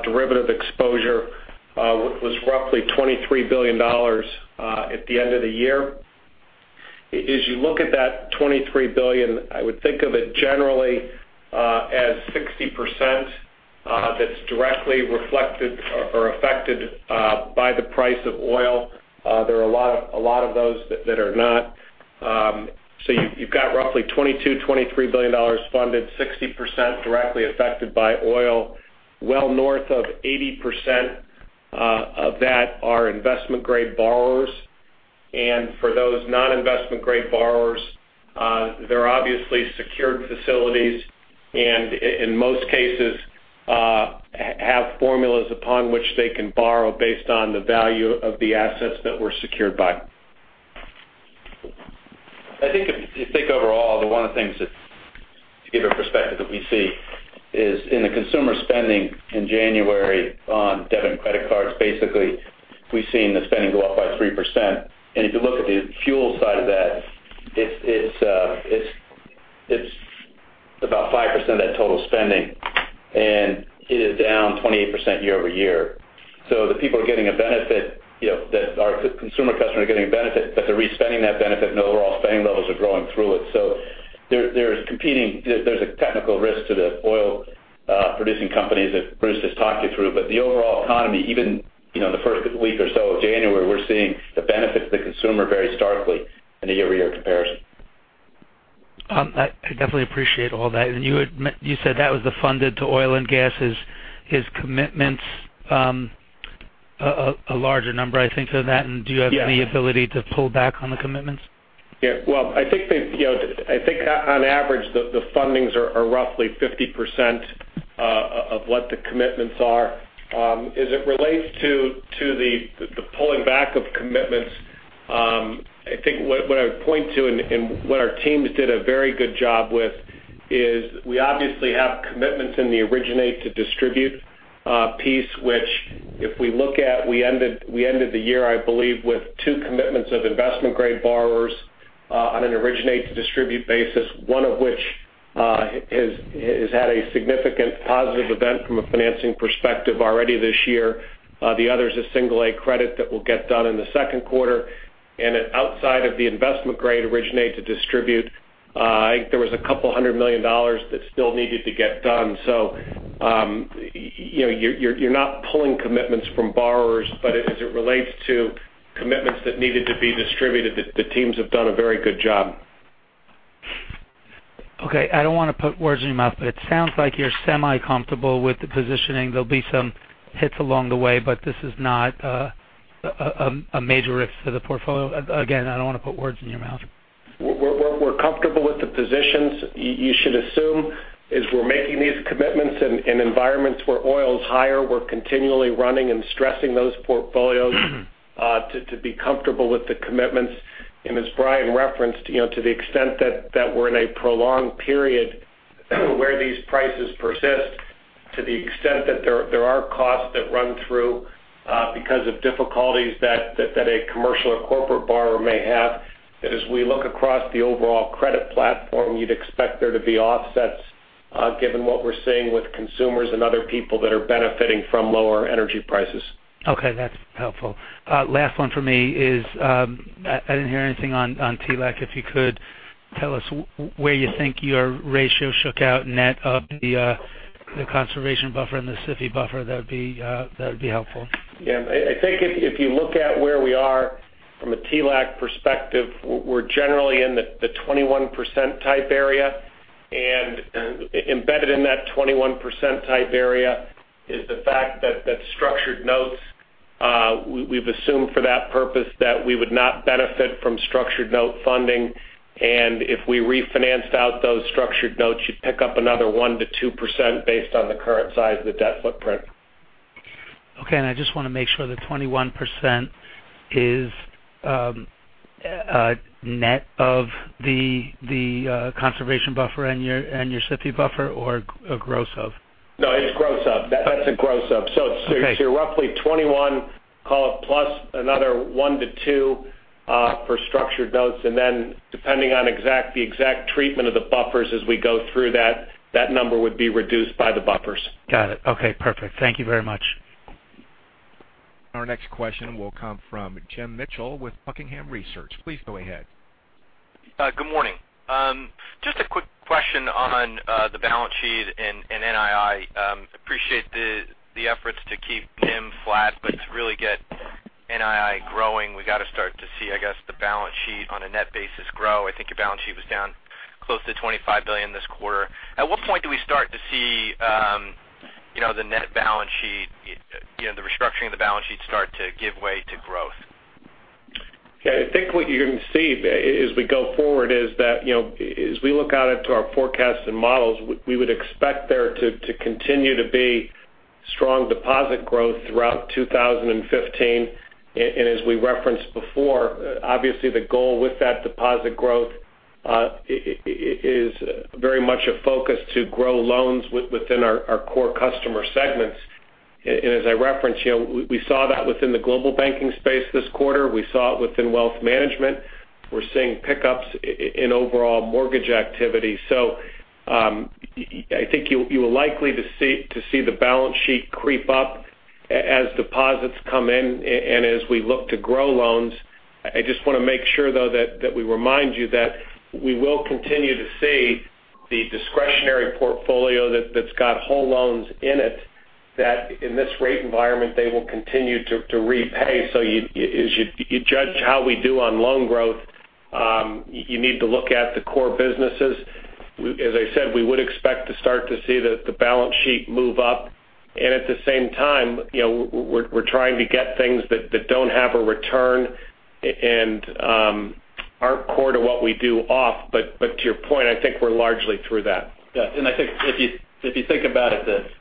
derivative exposure was roughly $23 billion at the end of the year. As you look at that $23 billion, I would think of it generally as 60% that's directly reflected or affected by the price of oil. There are a lot of those that are not. You've got roughly $22, $23 billion funded, 60% directly affected by oil. Well north of 80% of that are investment-grade borrowers. For those non-investment-grade borrowers, they're obviously secured facilities, and in most cases, have formulas upon which they can borrow based on the value of the assets that were secured by. I think if you think overall, the one of the things to give a perspective that we see is in the consumer spending in January on debit and credit cards, basically, we've seen the spending go up by 3%. If you look at the fuel side of that, it's about 5% of that total spending, and it is down 28% year-over-year. Our consumer customers are getting a benefit, but they're re-spending that benefit, and overall spending levels are growing through it. There's a technical risk to the oil producing companies that Bruce just talked you through. The overall economy, even the first week or so of January, we're seeing the benefits to the consumer very starkly in a year-over-year comparison. I definitely appreciate all that. You said that was the funded to oil and gas is commitments, a larger number, I think, for that. Yeah. Do you have any ability to pull back on the commitments? Well, I think on average, the fundings are roughly 50% of what the commitments are. As it relates to the pulling back of commitments, I think what I would point to and what our teams did a very good job with is we obviously have commitments in the originate to distribute piece. Which if we look at, we ended the year, I believe, with two commitments of investment-grade borrowers on an originate to distribute basis. One of which has had a significant positive event from a financing perspective already this year. The other is a single A credit that will get done in the second quarter. Outside of the investment grade originate to distribute, I think there was a couple hundred million dollars that still needed to get done. You're not pulling commitments from borrowers, as it relates to commitments that needed to be distributed, the teams have done a very good job. I don't want to put words in your mouth, it sounds like you're semi-comfortable with the positioning. There'll be some hits along the way, this is not a major risk to the portfolio. Again, I don't want to put words in your mouth. We're comfortable with the positions. You should assume as we're making these commitments in environments where oil is higher, we're continually running and stressing those portfolios to be comfortable with the commitments. As Brian referenced, to the extent that we're in a prolonged period where these prices persist, to the extent that there are costs that run through because of difficulties that a commercial or corporate borrower may have. That as we look across the overall credit platform, you'd expect there to be offsets given what we're seeing with consumers and other people that are benefiting from lower energy prices. Okay, that's helpful. Last one for me is, I didn't hear anything on TLAC. If you could tell us where you think your ratio shook out net of the conservation buffer and the SIFI buffer, that would be helpful. Yeah. I think if you look at where we are from a TLAC perspective, we're generally in the 21% type area. Embedded in that 21% type area is the fact that structured notes, we've assumed for that purpose that we would not benefit from structured note funding, and if we refinanced out those structured notes, you'd pick up another 1%-2% based on the current size of the debt footprint. Okay. I just want to make sure the 21% is net of the conservation buffer and your SIFI buffer or a gross of? No, it's gross of. That's a gross of. Okay. You're roughly 21, call it plus another 1-2 for structured notes. Then depending on the exact treatment of the buffers as we go through that number would be reduced by the buffers. Got it. Okay, perfect. Thank you very much. Our next question will come from Jim Mitchell with Buckingham Research. Please go ahead. Good morning. Just a quick question on the balance sheet and NII. Appreciate the efforts to keep NIM flat, to really get NII growing, we got to start to see, I guess, the balance sheet on a net basis grow. I think your balance sheet was down close to $25 billion this quarter. At what point do we start to see the net balance sheet, the restructuring of the balance sheet start to give way to growth? Yeah, I think what you're going to see as we go forward is that as we look out into our forecasts and models, we would expect there to continue to be strong deposit growth throughout 2015. As we referenced before, obviously the goal with that deposit growth is very much a focus to grow loans within our core customer segments. As I referenced, we saw that within the Global Banking space this quarter. We saw it within Wealth Management. We're seeing pickups in overall mortgage activity. I think you are likely to see the balance sheet creep up as deposits come in and as we look to grow loans. I just want to make sure, though, that we remind you that we will continue to see the discretionary portfolio that's got whole loans in it, that in this rate environment, they will continue to repay. As you judge how we do on loan growth, you need to look at the core businesses. As I said, we would expect to start to see the balance sheet move up. At the same time, we're trying to get things that don't have a return and aren't core to what we do off. To your point, I think we're largely through that. Yeah. I think if you think about it,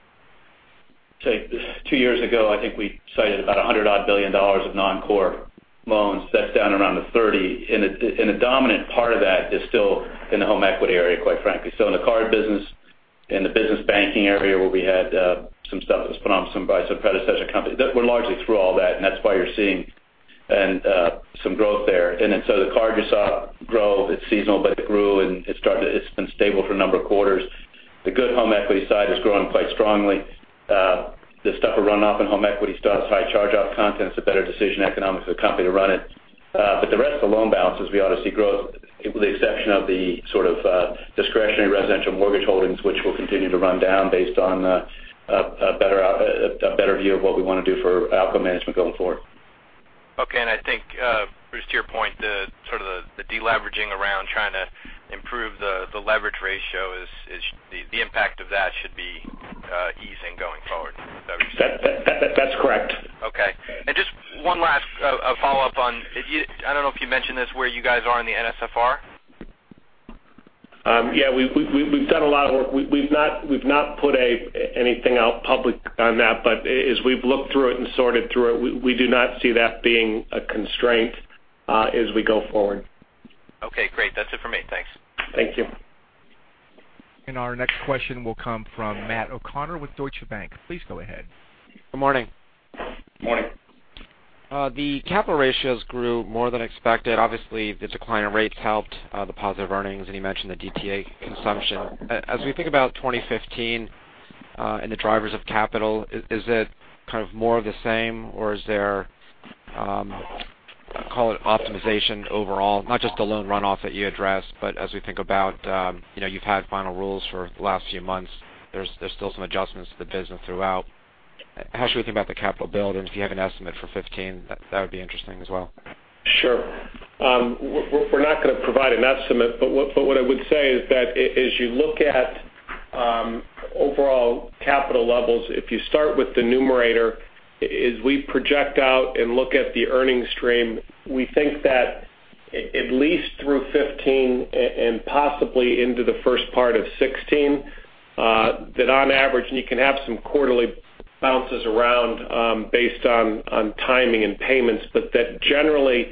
say two years ago, I think we cited about $100 odd billion of non-core loans. That's down around $30, and a dominant part of that is still in the home equity area, quite frankly. In the card business, in the business banking area where we had some stuff that was put on by some predecessor companies, we're largely through all that, and that's why you're seeing some growth there. Then, the card you saw grow, it's seasonal, but it grew, and it's been stable for a number of quarters. The good home equity side is growing quite strongly. The stuff will run off in home equity, still has high charge-off content. It's a better decision economics for the company to run it. The rest of the loan balances, we ought to see growth with the exception of the sort of discretionary residential mortgage holdings, which will continue to run down based on a better view of what we want to do for outcome management going forward. Okay. I think, Bruce, to your point, the sort of the de-leveraging around trying to improve the leverage ratio, the impact of that should be easing going forward. Is that what you're saying? That's correct. Okay. Just one last follow-up on-- I don't know if you mentioned this, where you guys are in the NSFR? Yeah, we've done a lot of work. We've not put anything out public on that. As we've looked through it and sorted through it, we do not see that being a constraint as we go forward. Okay, great. That's it for me. Thanks. Thank you. Our next question will come from Matt O'Connor with Deutsche Bank. Please go ahead. Good morning. Morning. The capital ratios grew more than expected. Obviously, the decline in rates helped the positive earnings, and you mentioned the DTA consumption. As we think about 2015 and the drivers of capital, is it kind of more of the same, or is there, call it optimization overall, not just the loan runoff that you addressed, but as we think about you've had final rules for the last few months, there's still some adjustments to the business throughout. How should we think about the capital build? If you have an estimate for 2015, that would be interesting as well. Sure. We're not going to provide an estimate, but what I would say is that as you look at overall capital levels, if you start with the numerator, as we project out and look at the earnings stream, we think that at least through 2015 and possibly into the first part of 2016, that on average, and you can have some quarterly bounces around based on timing and payments, but that generally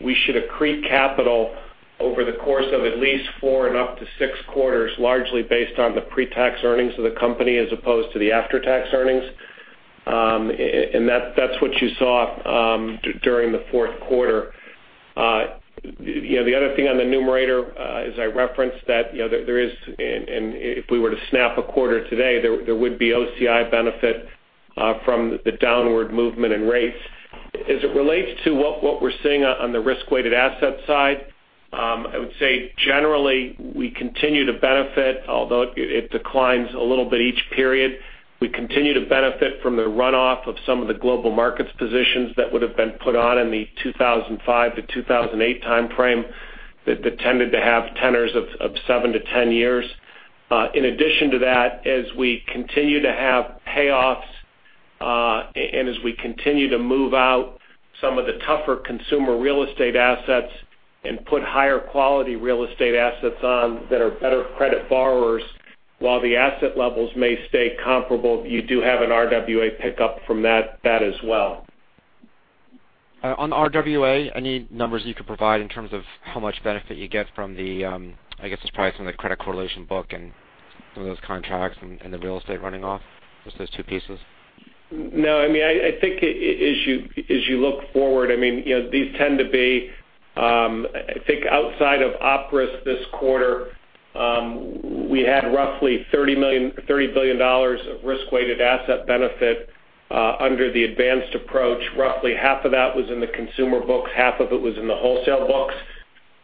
we should accrete capital over the course of at least four and up to six quarters, largely based on the pre-tax earnings of the company as opposed to the after-tax earnings. That's what you saw during the fourth quarter. The other thing on the numerator, as I referenced that if we were to snap a quarter today, there would be OCI benefit from the downward movement in rates. As it relates to what we're seeing on the risk-weighted asset side, I would say generally we continue to benefit, although it declines a little bit each period. We continue to benefit from the runoff of some of the Global Markets positions that would've been put on in the 2005 to 2008 timeframe that tended to have tenors of seven to 10 years. In addition to that, as we continue to have payoffs, and as we continue to move out some of the tougher consumer real estate assets and put higher quality real estate assets on that are better credit borrowers, while the asset levels may stay comparable, you do have an RWA pickup from that as well. On RWA, any numbers you could provide in terms of how much benefit you get from the, I guess it's probably from the credit correlation book and some of those contracts and the real estate running off, just those two pieces? No. I think as you look forward, outside of Operational Risk this quarter, we had roughly $30 billion of risk-weighted asset benefit under the advanced approach. Roughly half of that was in the consumer books, half of it was in the wholesale books.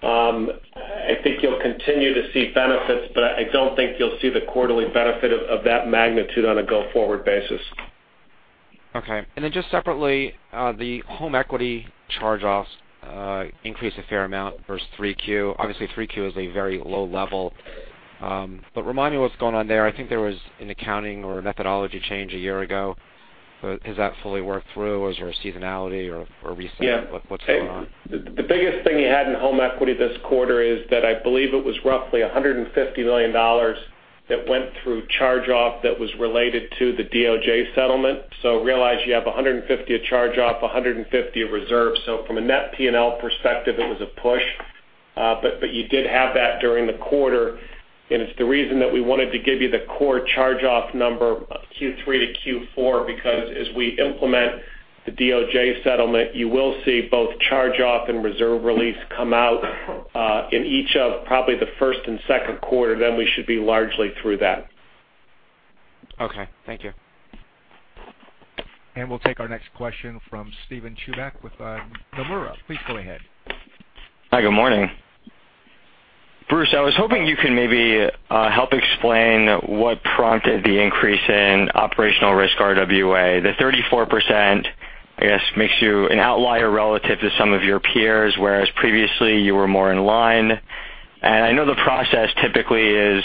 I think you will continue to see benefits, but I do not think you will see the quarterly benefit of that magnitude on a go-forward basis. Okay. Then just separately, the home equity charge-offs increased a fair amount versus 3Q. Obviously 3Q is a very low level. Remind me what is going on there. I think there was an accounting or a methodology change a year ago. Has that fully worked through? Is there a seasonality or a reset? What is going on? The biggest thing you had in home equity this quarter is that I believe it was roughly $150 million that went through charge-off that was related to the DOJ settlement. Realize you have $150 of charge-off, $150 of reserve. From a net P&L perspective, it was a push. You did have that during the quarter, and it is the reason that we wanted to give you the core charge-off number Q3 to Q4. As we implement the DOJ settlement, you will see both charge-off and reserve release come out in each of probably the first and second quarter. We should be largely through that. Okay. Thank you. We'll take our next question from Steven Chubak with Nomura. Please go ahead. Hi, good morning. Bruce, I was hoping you can maybe help explain what prompted the increase in Operational Risk RWA. The 34% I guess, makes you an outlier relative to some of your peers, whereas previously you were more in line. I know the process typically is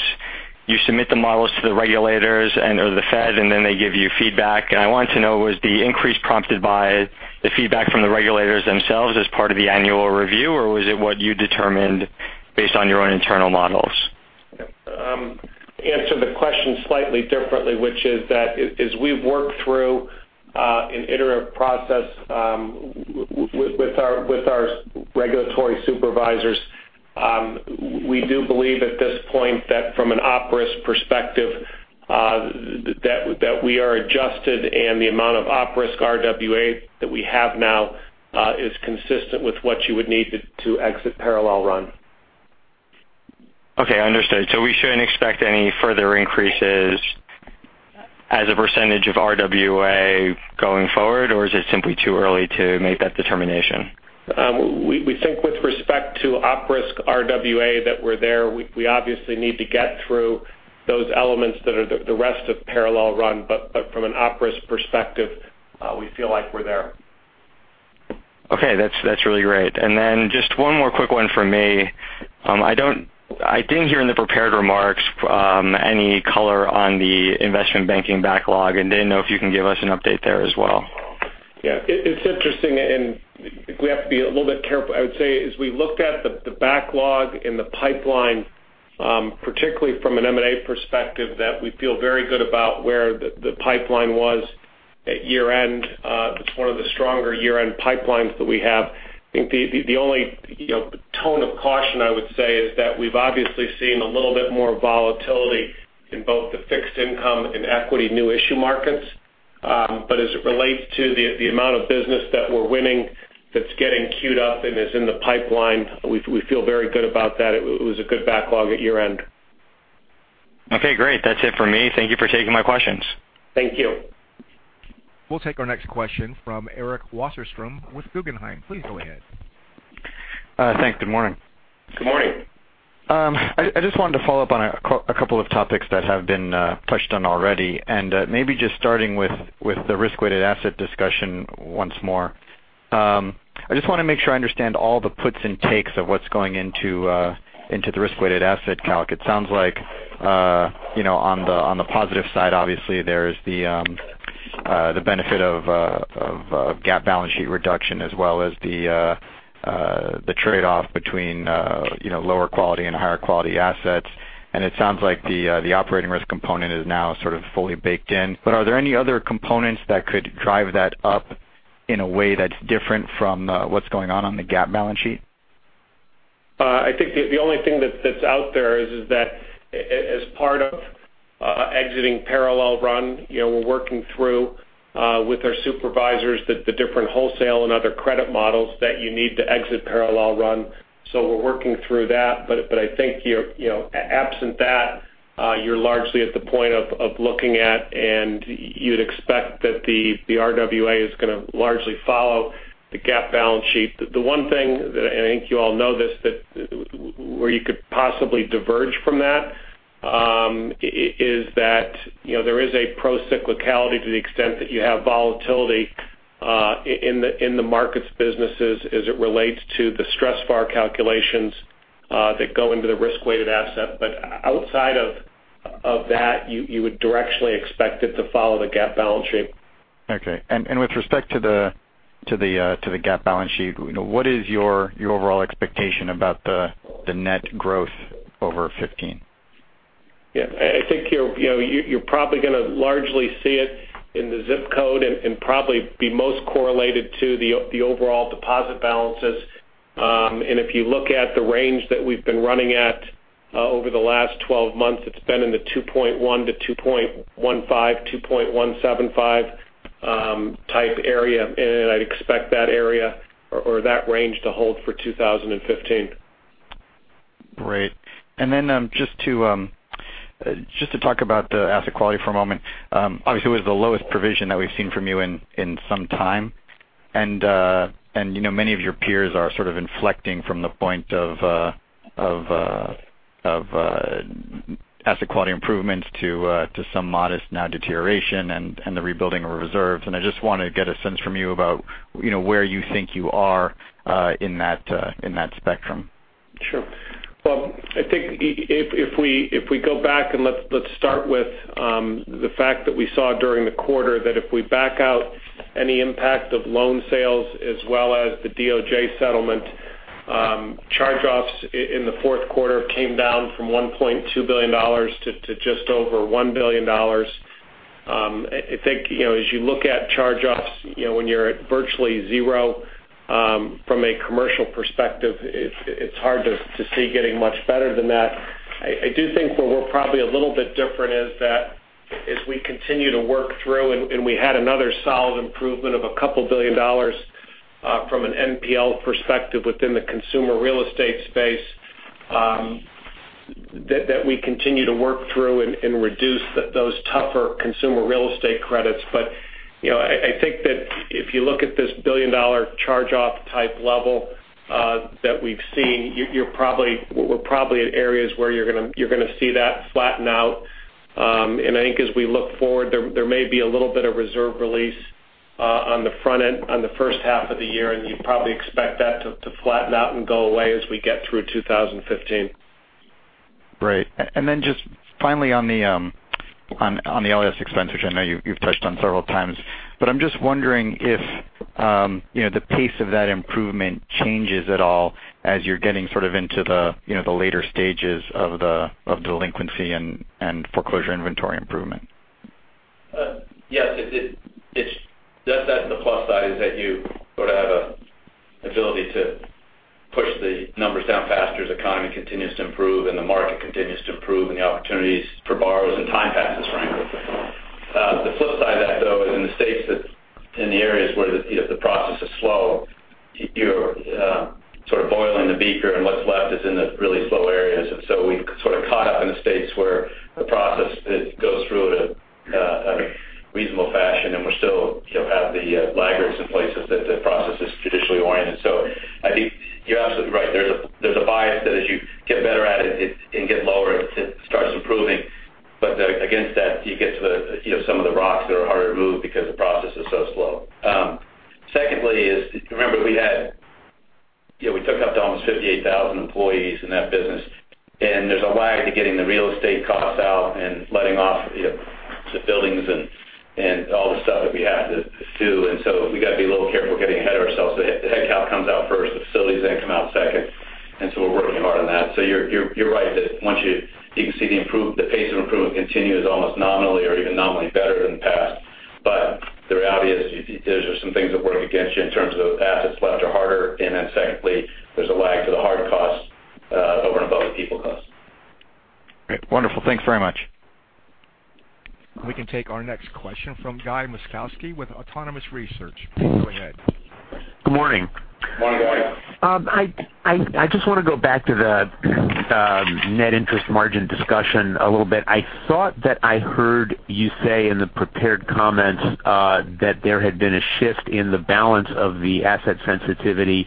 you submit the models to the regulators or the Fed, and then they give you feedback. I wanted to know, was the increase prompted by the feedback from the regulators themselves as part of the annual review, or was it what you determined based on your own internal models? Answer the question slightly differently, which is that as we work through an iterative process with our regulatory supervisors we do believe at this point that from an OpRisk perspective that we are adjusted and the amount of OpRisk RWA that we have now is consistent with what you would need to exit parallel run. Okay, understood. We shouldn't expect any further increases as a percentage of RWA going forward, or is it simply too early to make that determination? We think with respect to OpRisk RWA that we're there. We obviously need to get through those elements that are the rest of parallel run. From an OpRisk perspective, we feel like we're there. Okay. That's really great. Just one more quick one from me. I didn't hear in the prepared remarks any color on the investment banking backlog, didn't know if you can give us an update there as well. Yeah. It's interesting, we have to be a little bit careful. I would say as we looked at the backlog and the pipeline, particularly from an M&A perspective, that we feel very good about where the pipeline was at year-end. It's one of the stronger year-end pipelines that we have. I think the only tone of caution I would say is that we've obviously seen a little bit more volatility in both the fixed income and equity new issue markets. As it relates to the amount of business that we're winning that's getting queued up and is in the pipeline, we feel very good about that. It was a good backlog at year-end. Okay, great. That's it for me. Thank you for taking my questions. Thank you. We'll take our next question from Eric Wasserstrom with Guggenheim. Please go ahead. Thanks. Good morning. Good morning. I just wanted to follow up on a couple of topics that have been touched on already. Maybe just starting with the risk-weighted asset discussion once more. I just want to make sure I understand all the puts and takes of what's going into the risk-weighted asset calc. It sounds like on the positive side, obviously, there's the benefit of GAAP balance sheet reduction as well as the trade-off between lower quality and higher quality assets. It sounds like the Operational Risk component is now sort of fully baked in. Are there any other components that could drive that up in a way that's different from what's going on the GAAP balance sheet? I think the only thing that's out there is that as part of exiting parallel run, we're working through with our supervisors the different wholesale and other credit models that you need to exit parallel run. We're working through that. I think absent that, you're largely at the point of looking at, and you'd expect that the RWA is going to largely follow the GAAP balance sheet. The one thing that I think you all know this, where you could possibly diverge from that, is that there is a pro-cyclicality to the extent that you have volatility in the markets businesses as it relates to the stress VaR calculations that go into the risk-weighted asset. Outside of that, you would directionally expect it to follow the GAAP balance sheet. Okay. With respect to the GAAP balance sheet, what is your overall expectation about the net growth over 2015? Yeah. I think you're probably going to largely see it in the ZIP code and probably be most correlated to the overall deposit balances. If you look at the range that we've been running at over the last 12 months, it's been in the $2.1 to $2.15, $2.175 type area. I'd expect that area or that range to hold for 2015. Great. Just to talk about the asset quality for a moment. Obviously, it was the lowest provision that we've seen from you in some time. Many of your peers are sort of inflecting from the point of asset quality improvements to some modest now deterioration and the rebuilding of reserves. I just want to get a sense from you about where you think you are in that spectrum. Sure. Well, I think if we go back, and let's start with the fact that we saw during the quarter that if we back out any impact of loan sales as well as the DOJ settlement, charge-offs in the fourth quarter came down from $1.2 billion to just over $1 billion. I think as you look at charge-offs when you're at virtually zero from a commercial perspective, it's hard to see getting much better than that. I do think where we're probably a little bit different is that as we continue to work through, and we had another solid improvement of a couple billion dollars from an NPL perspective within the consumer real estate space, that we continue to work through and reduce those tougher consumer real estate credits. I think that if you look at this billion-dollar charge-off type level that we've seen, we're probably at areas where you're going to see that flatten out. I think as we look forward, there may be a little bit of reserve release on the front end, on the first half of the year, and you'd probably expect that to flatten out and go away as we get through 2015. Great. Just finally on the LAS expense, which I know you've touched on several times. I'm just wondering if the pace of that improvement changes at all as you're getting sort of into the later stages of delinquency and foreclosure inventory improvement. Yes. That's on the plus side, is that you sort of have an ability to from Guy Moszkowski with Autonomous Research. Please go ahead. Good morning. Morning, Guy. I just want to go back to the net interest margin discussion a little bit. I thought that I heard you say in the prepared comments that there had been a shift in the balance of the asset sensitivity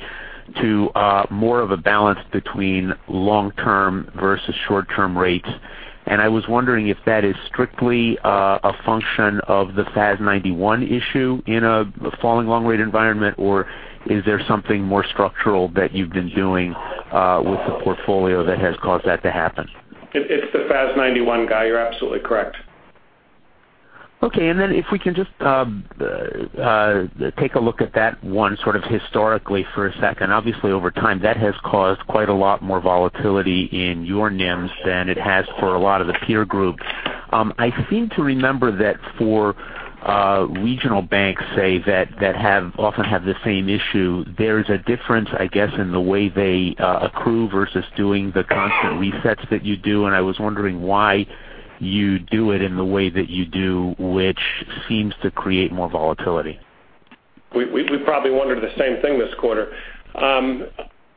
to more of a balance between long-term versus short-term rates. I was wondering if that is strictly a function of the FAS 91 issue in a falling long rate environment, or is there something more structural that you've been doing with the portfolio that has caused that to happen? It's the FAS 91, Guy. You're absolutely correct. Okay. If we can just take a look at that one sort of historically for a second. Obviously, over time, that has caused quite a lot more volatility in your NIMs than it has for a lot of the peer group. I seem to remember that for regional banks, say, that often have the same issue, there's a difference, I guess, in the way they accrue versus doing the constant resets that you do. I was wondering why you do it in the way that you do, which seems to create more volatility. We probably wondered the same thing this quarter.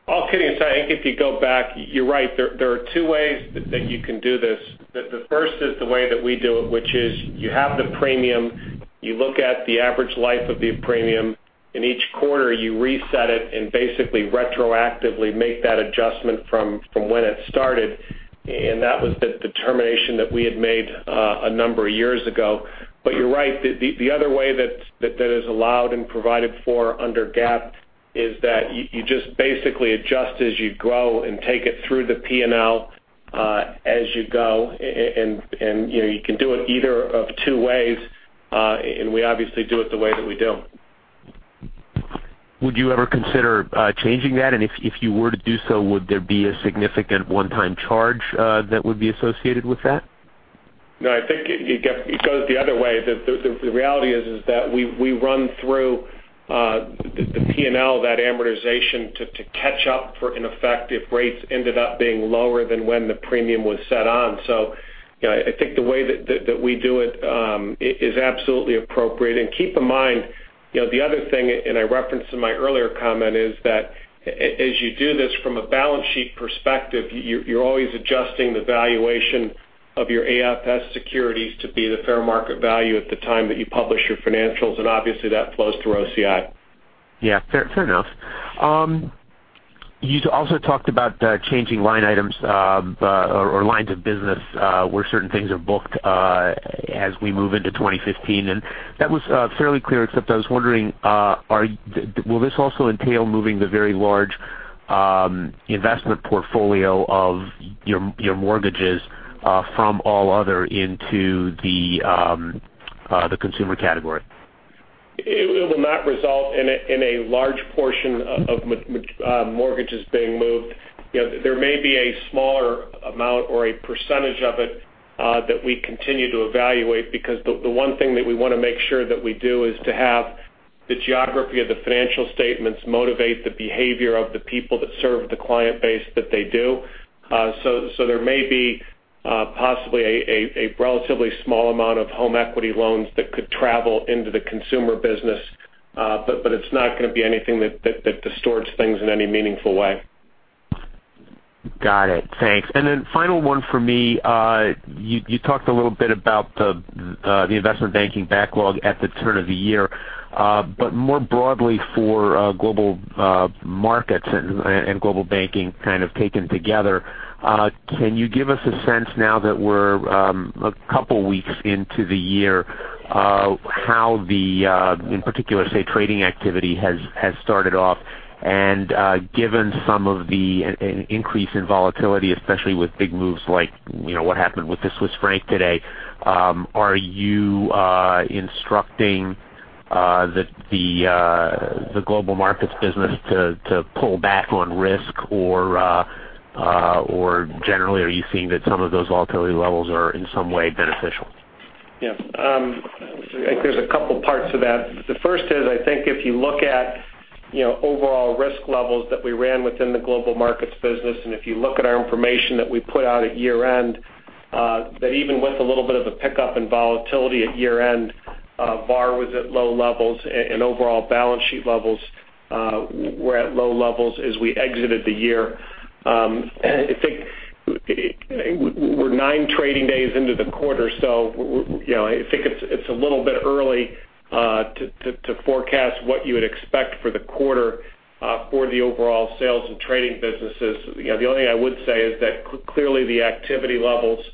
All kidding aside, I think if you go back, you're right. There are two ways that you can do this. The first is the way that we do it, which is you have the premium, you look at the average life of the premium. In each quarter, you reset it and basically retroactively make that adjustment from when it started. That was the determination that we had made a number of years ago. You're right, the other way that is allowed and provided for under GAAP is that you just basically adjust as you go and take it through the P&L as you go. You can do it either of two ways. We obviously do it the way that we do. Would you ever consider changing that? If you were to do so, would there be a significant one-time charge that would be associated with that? No, I think it goes the other way. The reality is that we run through the P&L, that amortization to catch up for ineffective rates ended up being lower than when the premium was set on. I think the way that we do it is absolutely appropriate. Keep in mind, the other thing, and I referenced in my earlier comment, is that as you do this from a balance sheet perspective, you're always adjusting the valuation of your AFS securities to be the fair market value at the time that you publish your financials, and obviously that flows through OCI. Yeah, fair enough. You also talked about changing line items or lines of business where certain things are booked as we move into 2015, and that was fairly clear, except I was wondering, will this also entail moving the very large investment portfolio of your mortgages from all other into the consumer category? It will not result in a large portion of mortgages being moved. There may be a smaller amount or a percentage of it that we continue to evaluate because the one thing that we want to make sure that we do is to have the geography of the financial statements motivate the behavior of the people that serve the client base that they do. There may be possibly a relatively small amount of home equity loans that could travel into the consumer business. It's not going to be anything that distorts things in any meaningful way. Got it. Thanks. Final one for me. You talked a little bit about the investment banking backlog at the turn of the year. More broadly for Global Markets and Global Banking kind of taken together, can you give us a sense now that we're a couple weeks into the year how the, in particular, say, trading activity has started off? Given some of the increase in volatility, especially with big moves like what happened with the Swiss franc today, are you instructing the Global Markets business to pull back on risk? Generally, are you seeing that some of those volatility levels are in some way beneficial? Yeah. I think there's a couple parts of that. The first is I think if you look at overall risk levels that we ran within the Global Markets business, and if you look at our information that we put out at year-end, that even with a little bit of a pickup in volatility at year-end, VAR was at low levels, and overall balance sheet levels were at low levels as we exited the year. I think we're nine trading days into the quarter, I think it's a little bit early to forecast what you would expect for the quarter for the overall sales and trading businesses. The only thing I would say is that clearly the activity levels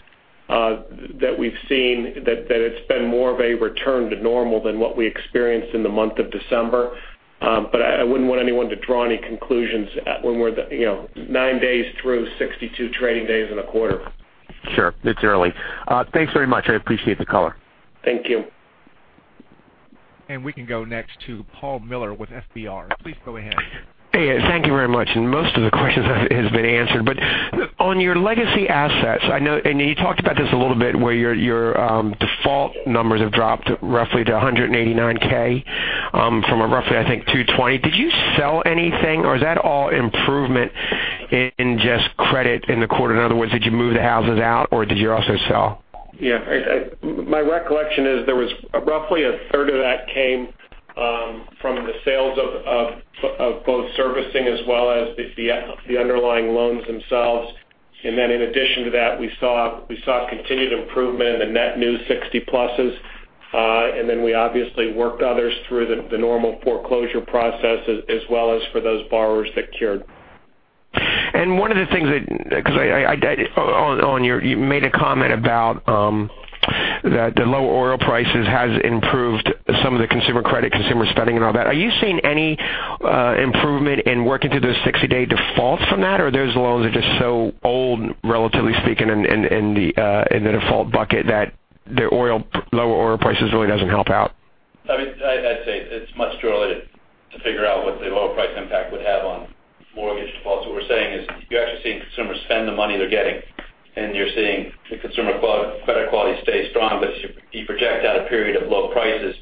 that we've seen, that it's been more of a return to normal than what we experienced in the month of December. I wouldn't want anyone to draw any conclusions when we're nine days through 62 trading days in a quarter. Sure. It's early. Thanks very much. I appreciate the color. Thank you. We can go next to Paul Miller with FBR. Please go ahead. Hey, thank you very much. Most of the questions have been answered. On your legacy assets, I know, and you talked about this a little bit, where your default numbers have dropped roughly to 189k from a roughly, I think, 220. Did you sell anything, or is that all improvement in just credit in the quarter? In other words, did you move the houses out, or did you also sell? Yeah. My recollection is there was roughly a third of that came from the sales of both servicing as well as the underlying loans themselves. In addition to that, we saw continued improvement in the net new 60 pluses. We obviously worked others through the normal foreclosure process as well as for those borrowers that cured. One of the things because you made a comment about that the low oil prices has improved some of the consumer credit, consumer spending and all that. Are you seeing any improvement in working through those 60-day defaults from that? Those loans are just so old, relatively speaking, in the default bucket that the low oil prices really doesn't help out? I'd say it's much too early to figure out what the oil price impact would have on mortgage defaults. What we're saying is you're actually seeing consumers spend the money they're getting, and you're seeing the consumer credit quality stay strong. If you project out a period of low prices,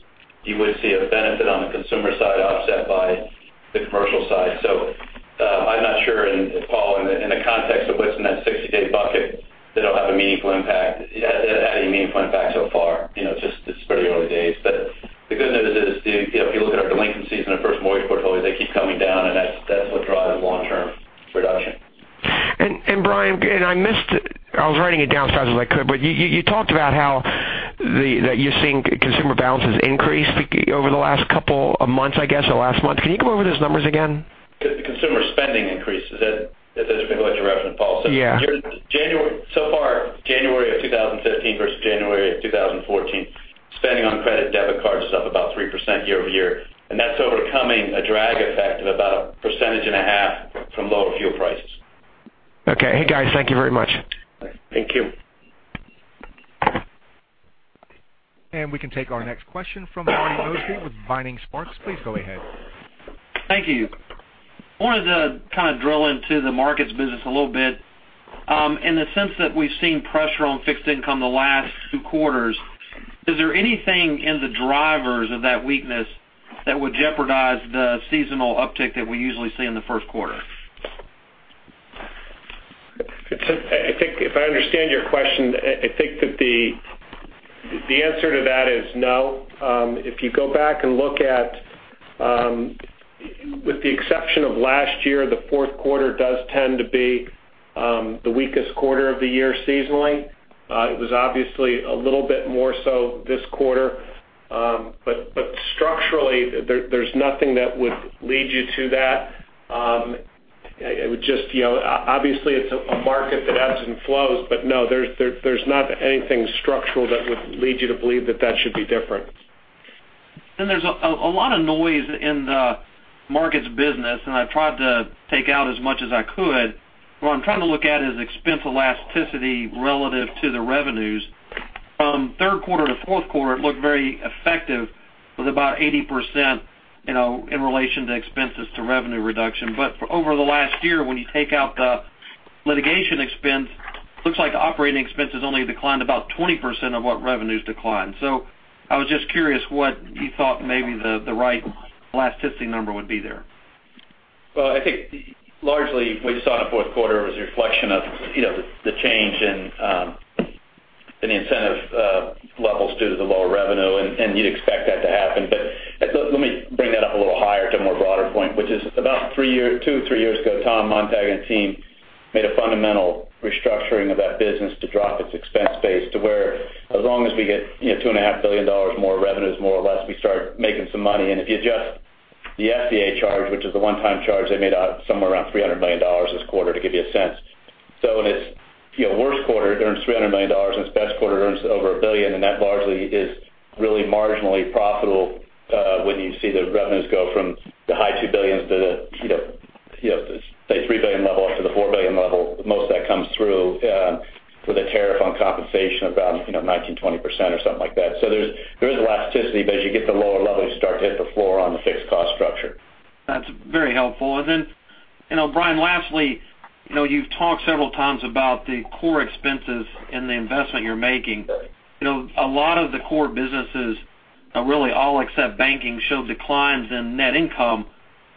you would see a benefit on the consumer side offset by the commercial side. I'm not sure. Paul, in the context of what's in that 60-day bucket, they don't have a meaningful impact. Had any meaningful impact so far. It's pretty early days. The good news is, if you look at our delinquencies in our first mortgage portfolio, they keep coming down, and that's what drives long-term reduction. Brian, I missed it. I was writing it down as fast as I could, but you talked about how you're seeing consumer balances increase over the last couple of months, I guess, or last month. Can you go over those numbers again? The consumer spending increase. Is that what you're referring to, Paul? Yeah. Far, January of 2015 versus January of 2014, spending on credit debit cards is up about 3% year-over-year, and that's overcoming a drag effect of about a percentage and a half from lower fuel prices. Okay. Hey, guys, thank you very much. Thank you. We can take our next question from Marty Mosby with Vining Sparks. Please go ahead. Thank you. I wanted to kind of drill into the markets business a little bit. In the sense that we've seen pressure on fixed income the last two quarters, is there anything in the drivers of that weakness that would jeopardize the seasonal uptick that we usually see in the first quarter? I think if I understand your question, I think that the answer to that is no. If you go back and look at, with the exception of last year, the fourth quarter does tend to be the weakest quarter of the year seasonally. It was obviously a little bit more so this quarter. Structurally, there's nothing that would lead you to that. Obviously, it's a market that ebbs and flows. No, there's not anything structural that would lead you to believe that that should be different. There's a lot of noise in the markets business, and I've tried to take out as much as I could. What I'm trying to look at is expense elasticity relative to the revenues. From third quarter to fourth quarter, it looked very effective with about 80% in relation to expenses to revenue reduction. Over the last year, when you take out the litigation expense, looks like operating expenses only declined about 20% of what revenues declined. I was just curious what you thought maybe the right elasticity number would be there. I think largely what you saw in the fourth quarter was a reflection of the change in the incentive levels due to the lower revenue, and you'd expect that to happen. Let me bring that up a little higher to a more broader point, which is about two or three years ago, Tom Montag and team made a fundamental restructuring of that business to drop its expense base to where as long as we get $2.5 billion more revenues, more or less, we start making some money. If you adjust the FCA charge, which is the one-time charge they made somewhere around $300 million this quarter to give you a sense. In its worst quarter, it earns $300 million. In its best quarter, it earns over $1 billion. That largely is really marginally profitable when you see the revenues go from the high $2 billion to the, say, $3 billion level up to the $4 billion level. Most of that comes through with a tariff on compensation of around 19%-20% or something like that. There is elasticity. As you get to lower levels, you start to hit the floor on the fixed cost structure. That's very helpful. Brian, lastly, you've talked several times about the core expenses and the investment you're making. A lot of the core businesses, really all except banking, show declines in net income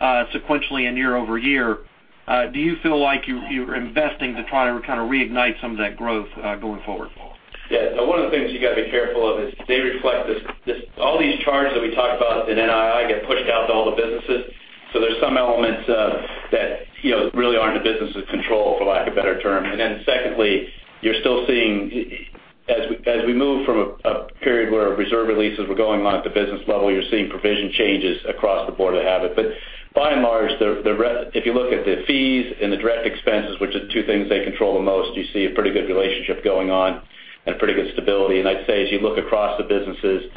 sequentially and year-over-year. Do you feel like you're investing to try to kind of reignite some of that growth going forward? One of the things you got to be careful of is they reflect all these charges that we talked about in NII get pushed out to all the businesses. There's some elements that really aren't the business' control, for lack of a better term. Secondly, you're still seeing as we move from a period where reserve releases were going on at the business level, you're seeing provision changes across the board that have it. By and large, if you look at the fees and the direct expenses, which are the two things they control the most, you see a pretty good relationship going on and pretty good stability. I'd say as you look across the businesses,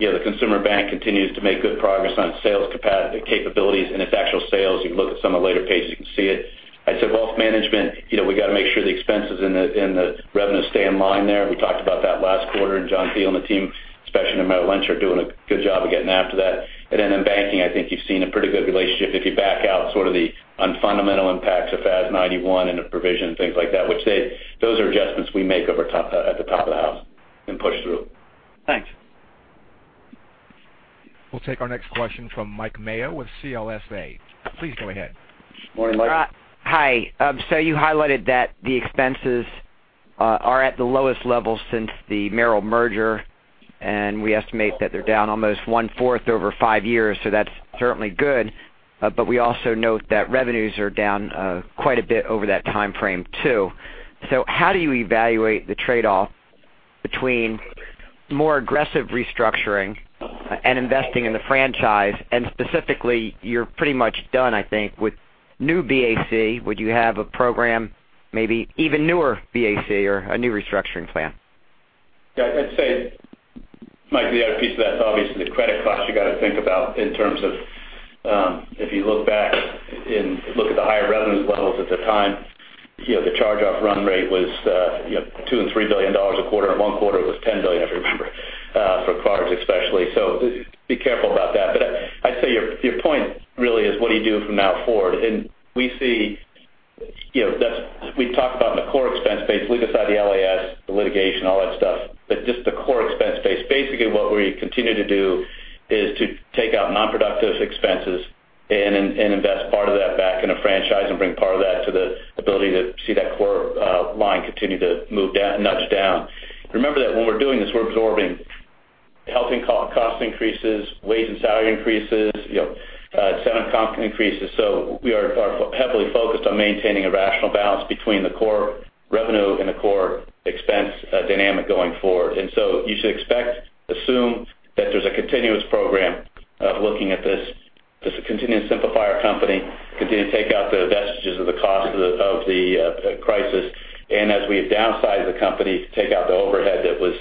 the consumer bank continues to make good progress on sales capabilities and its actual sales. You can look at some of the later pages, you can see it. I'd say wealth management, we got to make sure the expenses and the revenue stay in line there. We talked about that last quarter. John Thiel and the team, especially under Merrill Lynch, are doing a good job of getting after that. But then in banking, I think you've seen a pretty good relationship if you back out sort of the unfundamental impacts of FAS 91 and the provision and things like that, which those are adjustments we make at the top of the house and push through. Thanks. We'll take our next question from Mike Mayo with CLSA. Please go ahead. Morning, Mike. Hi. You highlighted that the expenses are at the lowest level since the Merrill merger, and we estimate that they're down almost one-fourth over 5 years, that's certainly good. We also note that revenues are down quite a bit over that timeframe, too. How do you evaluate the trade-off between more aggressive restructuring and investing in the franchise? Specifically, you're pretty much done, I think, with New BAC. Would you have a program, maybe even Newer BAC or a new restructuring plan? I'd say, Mike, the other piece of that is obviously the credit cost you got to think about in terms of if you look back and look at the higher revenues levels at the time. The charge-off run rate was $2 billion-$3 billion a quarter. In one quarter, it was $10 billion, if you remember, for cards especially. Be careful about that. I'd say your point really is what do you do from now forward? We talk about in the core expense base, leave aside the LAS, the litigation, all that stuff, but just the core expense base. Basically, what we continue to do is to take out non-productive expenses and invest part of that back in a franchise and bring part of that to the ability to see that core line continue to nudge down. Remember that when we're doing this, we're absorbing health cost increases, wage and salary increases, severance comp increases. We are heavily focused on maintaining a rational balance between the core revenue and the core expense dynamic going forward. You should expect, assume that there's a continuous program of looking at this, just to continue to simplify our company, continue to take out the vestiges of the cost of the crisis. As we have downsized the company, take out the overhead that was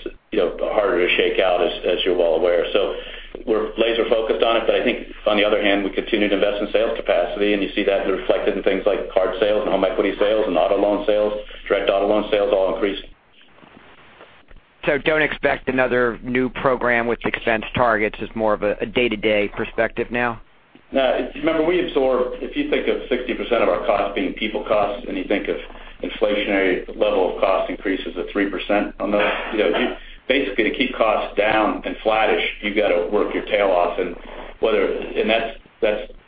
harder to shake out, as you're well aware. We're laser focused on it. I think on the other hand, we continue to invest in sales capacity, and you see that reflected in things like card sales and home equity sales and auto loan sales, direct auto loan sales all increased. Don't expect another new program with expense targets. It's more of a day-to-day perspective now? No. Remember, we absorbed, if you think of 60% of our costs being people costs, you think of inflationary level of cost increases of 3% on those, basically to keep costs down and flattish, you've got to work your tail off.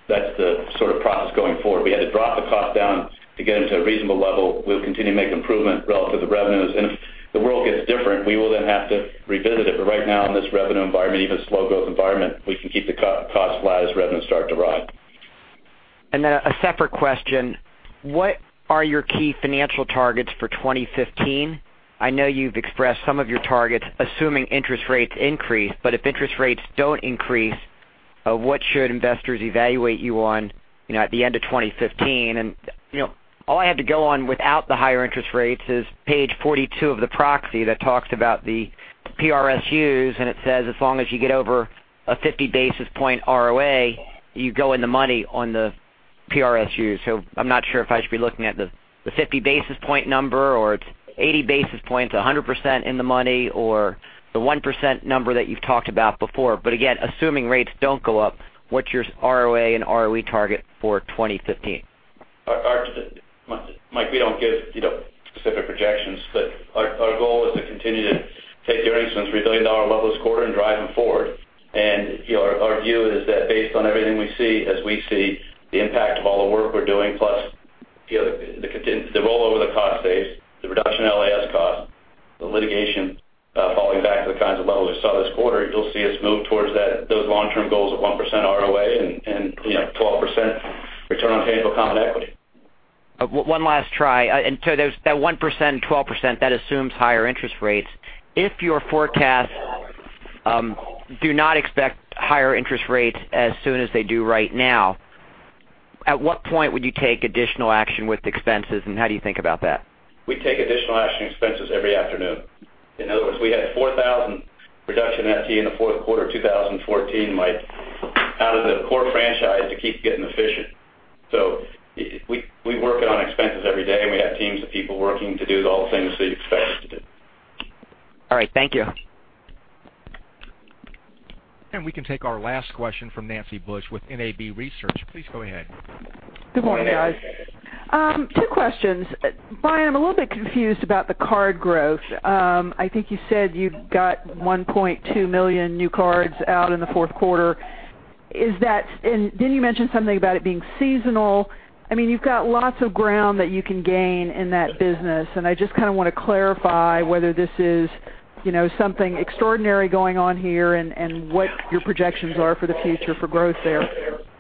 That's the sort of process going forward. We had to drop the cost down to get them to a reasonable level. We'll continue to make improvement relative to revenues. If the world gets different, we will then have to revisit it. Right now, in this revenue environment, even slow growth environment, we can keep the cost flat as revenues start to rise. Then a separate question, what are your key financial targets for 2015? I know you've expressed some of your targets, assuming interest rates increase. If interest rates don't increase, what should investors evaluate you on at the end of 2015? All I have to go on without the higher interest rates is page 42 of the proxy that talks about the PRSUs, and it says as long as you get over a 50 basis point ROA, you go in the money on the PRSUs. I'm not sure if I should be looking at the 50 basis point number or it's 80 basis points, 100% in the money, or the 1% number that you've talked about before. Again, assuming rates don't go up, what's your ROA and ROE target for 2015? Mike, we don't give specific projections, our goal is to continue to take the earnings from the $3 billion level this quarter and drive them forward. Our view is that based on everything we see, as we see the impact of all the work we're doing, plus the roll over the cost base, the reduction in LAS cost, the litigation falling back to the kinds of levels we saw this quarter, you'll see us move towards those long-term goals of 1% ROA and 12% return on tangible common equity. One last try. That 1%, 12%, that assumes higher interest rates. If your forecasts do not expect higher interest rates as soon as they do right now, at what point would you take additional action with expenses, and how do you think about that? We take additional action expenses every afternoon. In other words, we had 4,000 reduction FTE in the fourth quarter of 2014, Mike, out of the core franchise to keep getting efficient. We work it on expenses every day, and we have teams of people working to do all the things that you'd expect us to do. All right. Thank you. We can take our last question from Nancy Bush with NAB Research. Please go ahead. Good morning, guys. Two questions. Brian, I'm a little bit confused about the card growth. I think you said you got 1.2 million new cards out in the fourth quarter. You mentioned something about it being seasonal. You've got lots of ground that you can gain in that business, and I just kind of want to clarify whether this is something extraordinary going on here and what your projections are for the future for growth there.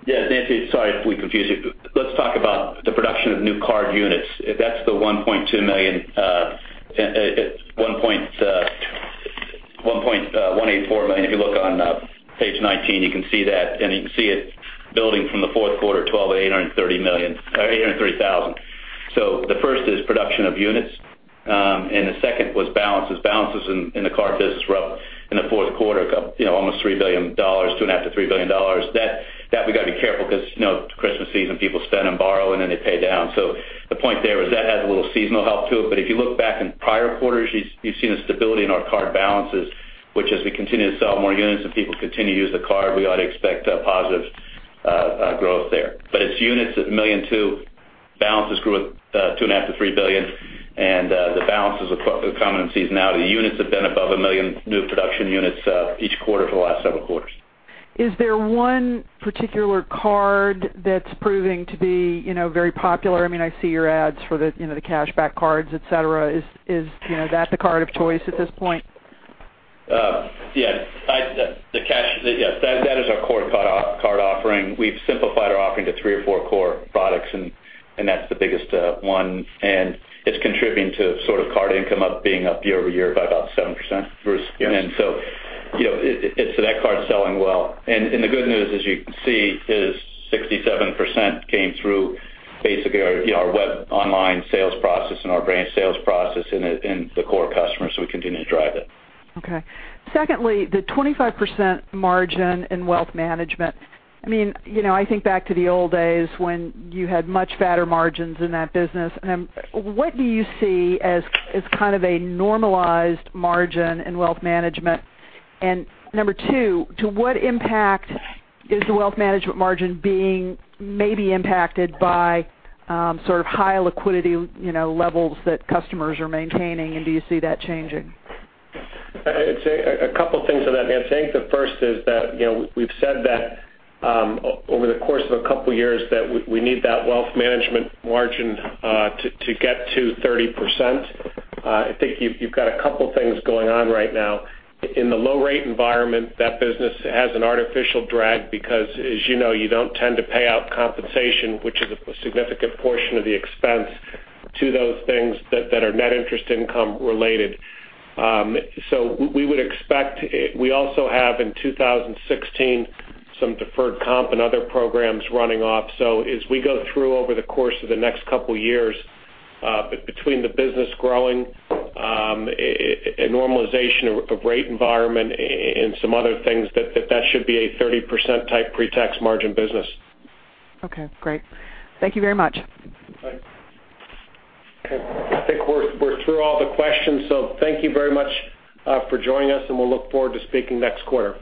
Nancy, sorry if we confused you. Let's talk about the production of new card units. That's the $1.184 million. If you look on page 19, you can see that, and you can see it building from the fourth quarter 2012 to 830,000. The first is production of units, and the second was balances. Balances in the card business were up in the fourth quarter, almost $3 billion, $2.5 billion-$3 billion. That we got to be careful because Christmas season, people spend and borrow, and then they pay down. The point there is that has a little seasonal help to it. But if you look back in prior quarters, you've seen a stability in our card balances, which as we continue to sell more units and people continue to use the card, we ought to expect a positive growth there. But it's units at $1.2 million. Balances grew at $2.5 billion-$3 billion, and the balances are common in seasonality. The units have been above 1 million new production units each quarter for the last several quarters. Is there one particular card that's proving to be very popular? I see your ads for the cashback cards, et cetera. Is that the card of choice at this point? That is our core card offering. We've simplified our offering to three or four core products, and that's the biggest one, and it's contributing to sort of card income being up year-over-year by about 7%. That card's selling well. The good news, as you can see, is 67% came through basically our web online sales process and our branch sales process in the core customers. We continue to drive it. Okay. Secondly, the 25% margin in wealth management. I think back to the old days when you had much fatter margins in that business. What do you see as kind of a normalized margin in wealth management? Number two, to what impact is the wealth management margin being maybe impacted by sort of high liquidity levels that customers are maintaining, and do you see that changing? I'd say a couple of things to that, Nancy. I think the first is that we've said that over the course of a couple of years, that we need that wealth management margin to get to 30%. I think you've got a couple of things going on right now. In the low rate environment, that business has an artificial drag because, as you know, you don't tend to pay out compensation, which is a significant portion of the expense to those things that are net interest income related. We also have in 2016 some deferred comp and other programs running off. As we go through over the course of the next couple of years, between the business growing, a normalization of rate environment, and some other things, that should be a 30%-type pre-tax margin business. Okay, great. Thank you very much. Bye. Okay, I think we're through all the questions, thank you very much for joining us, we'll look forward to speaking next quarter.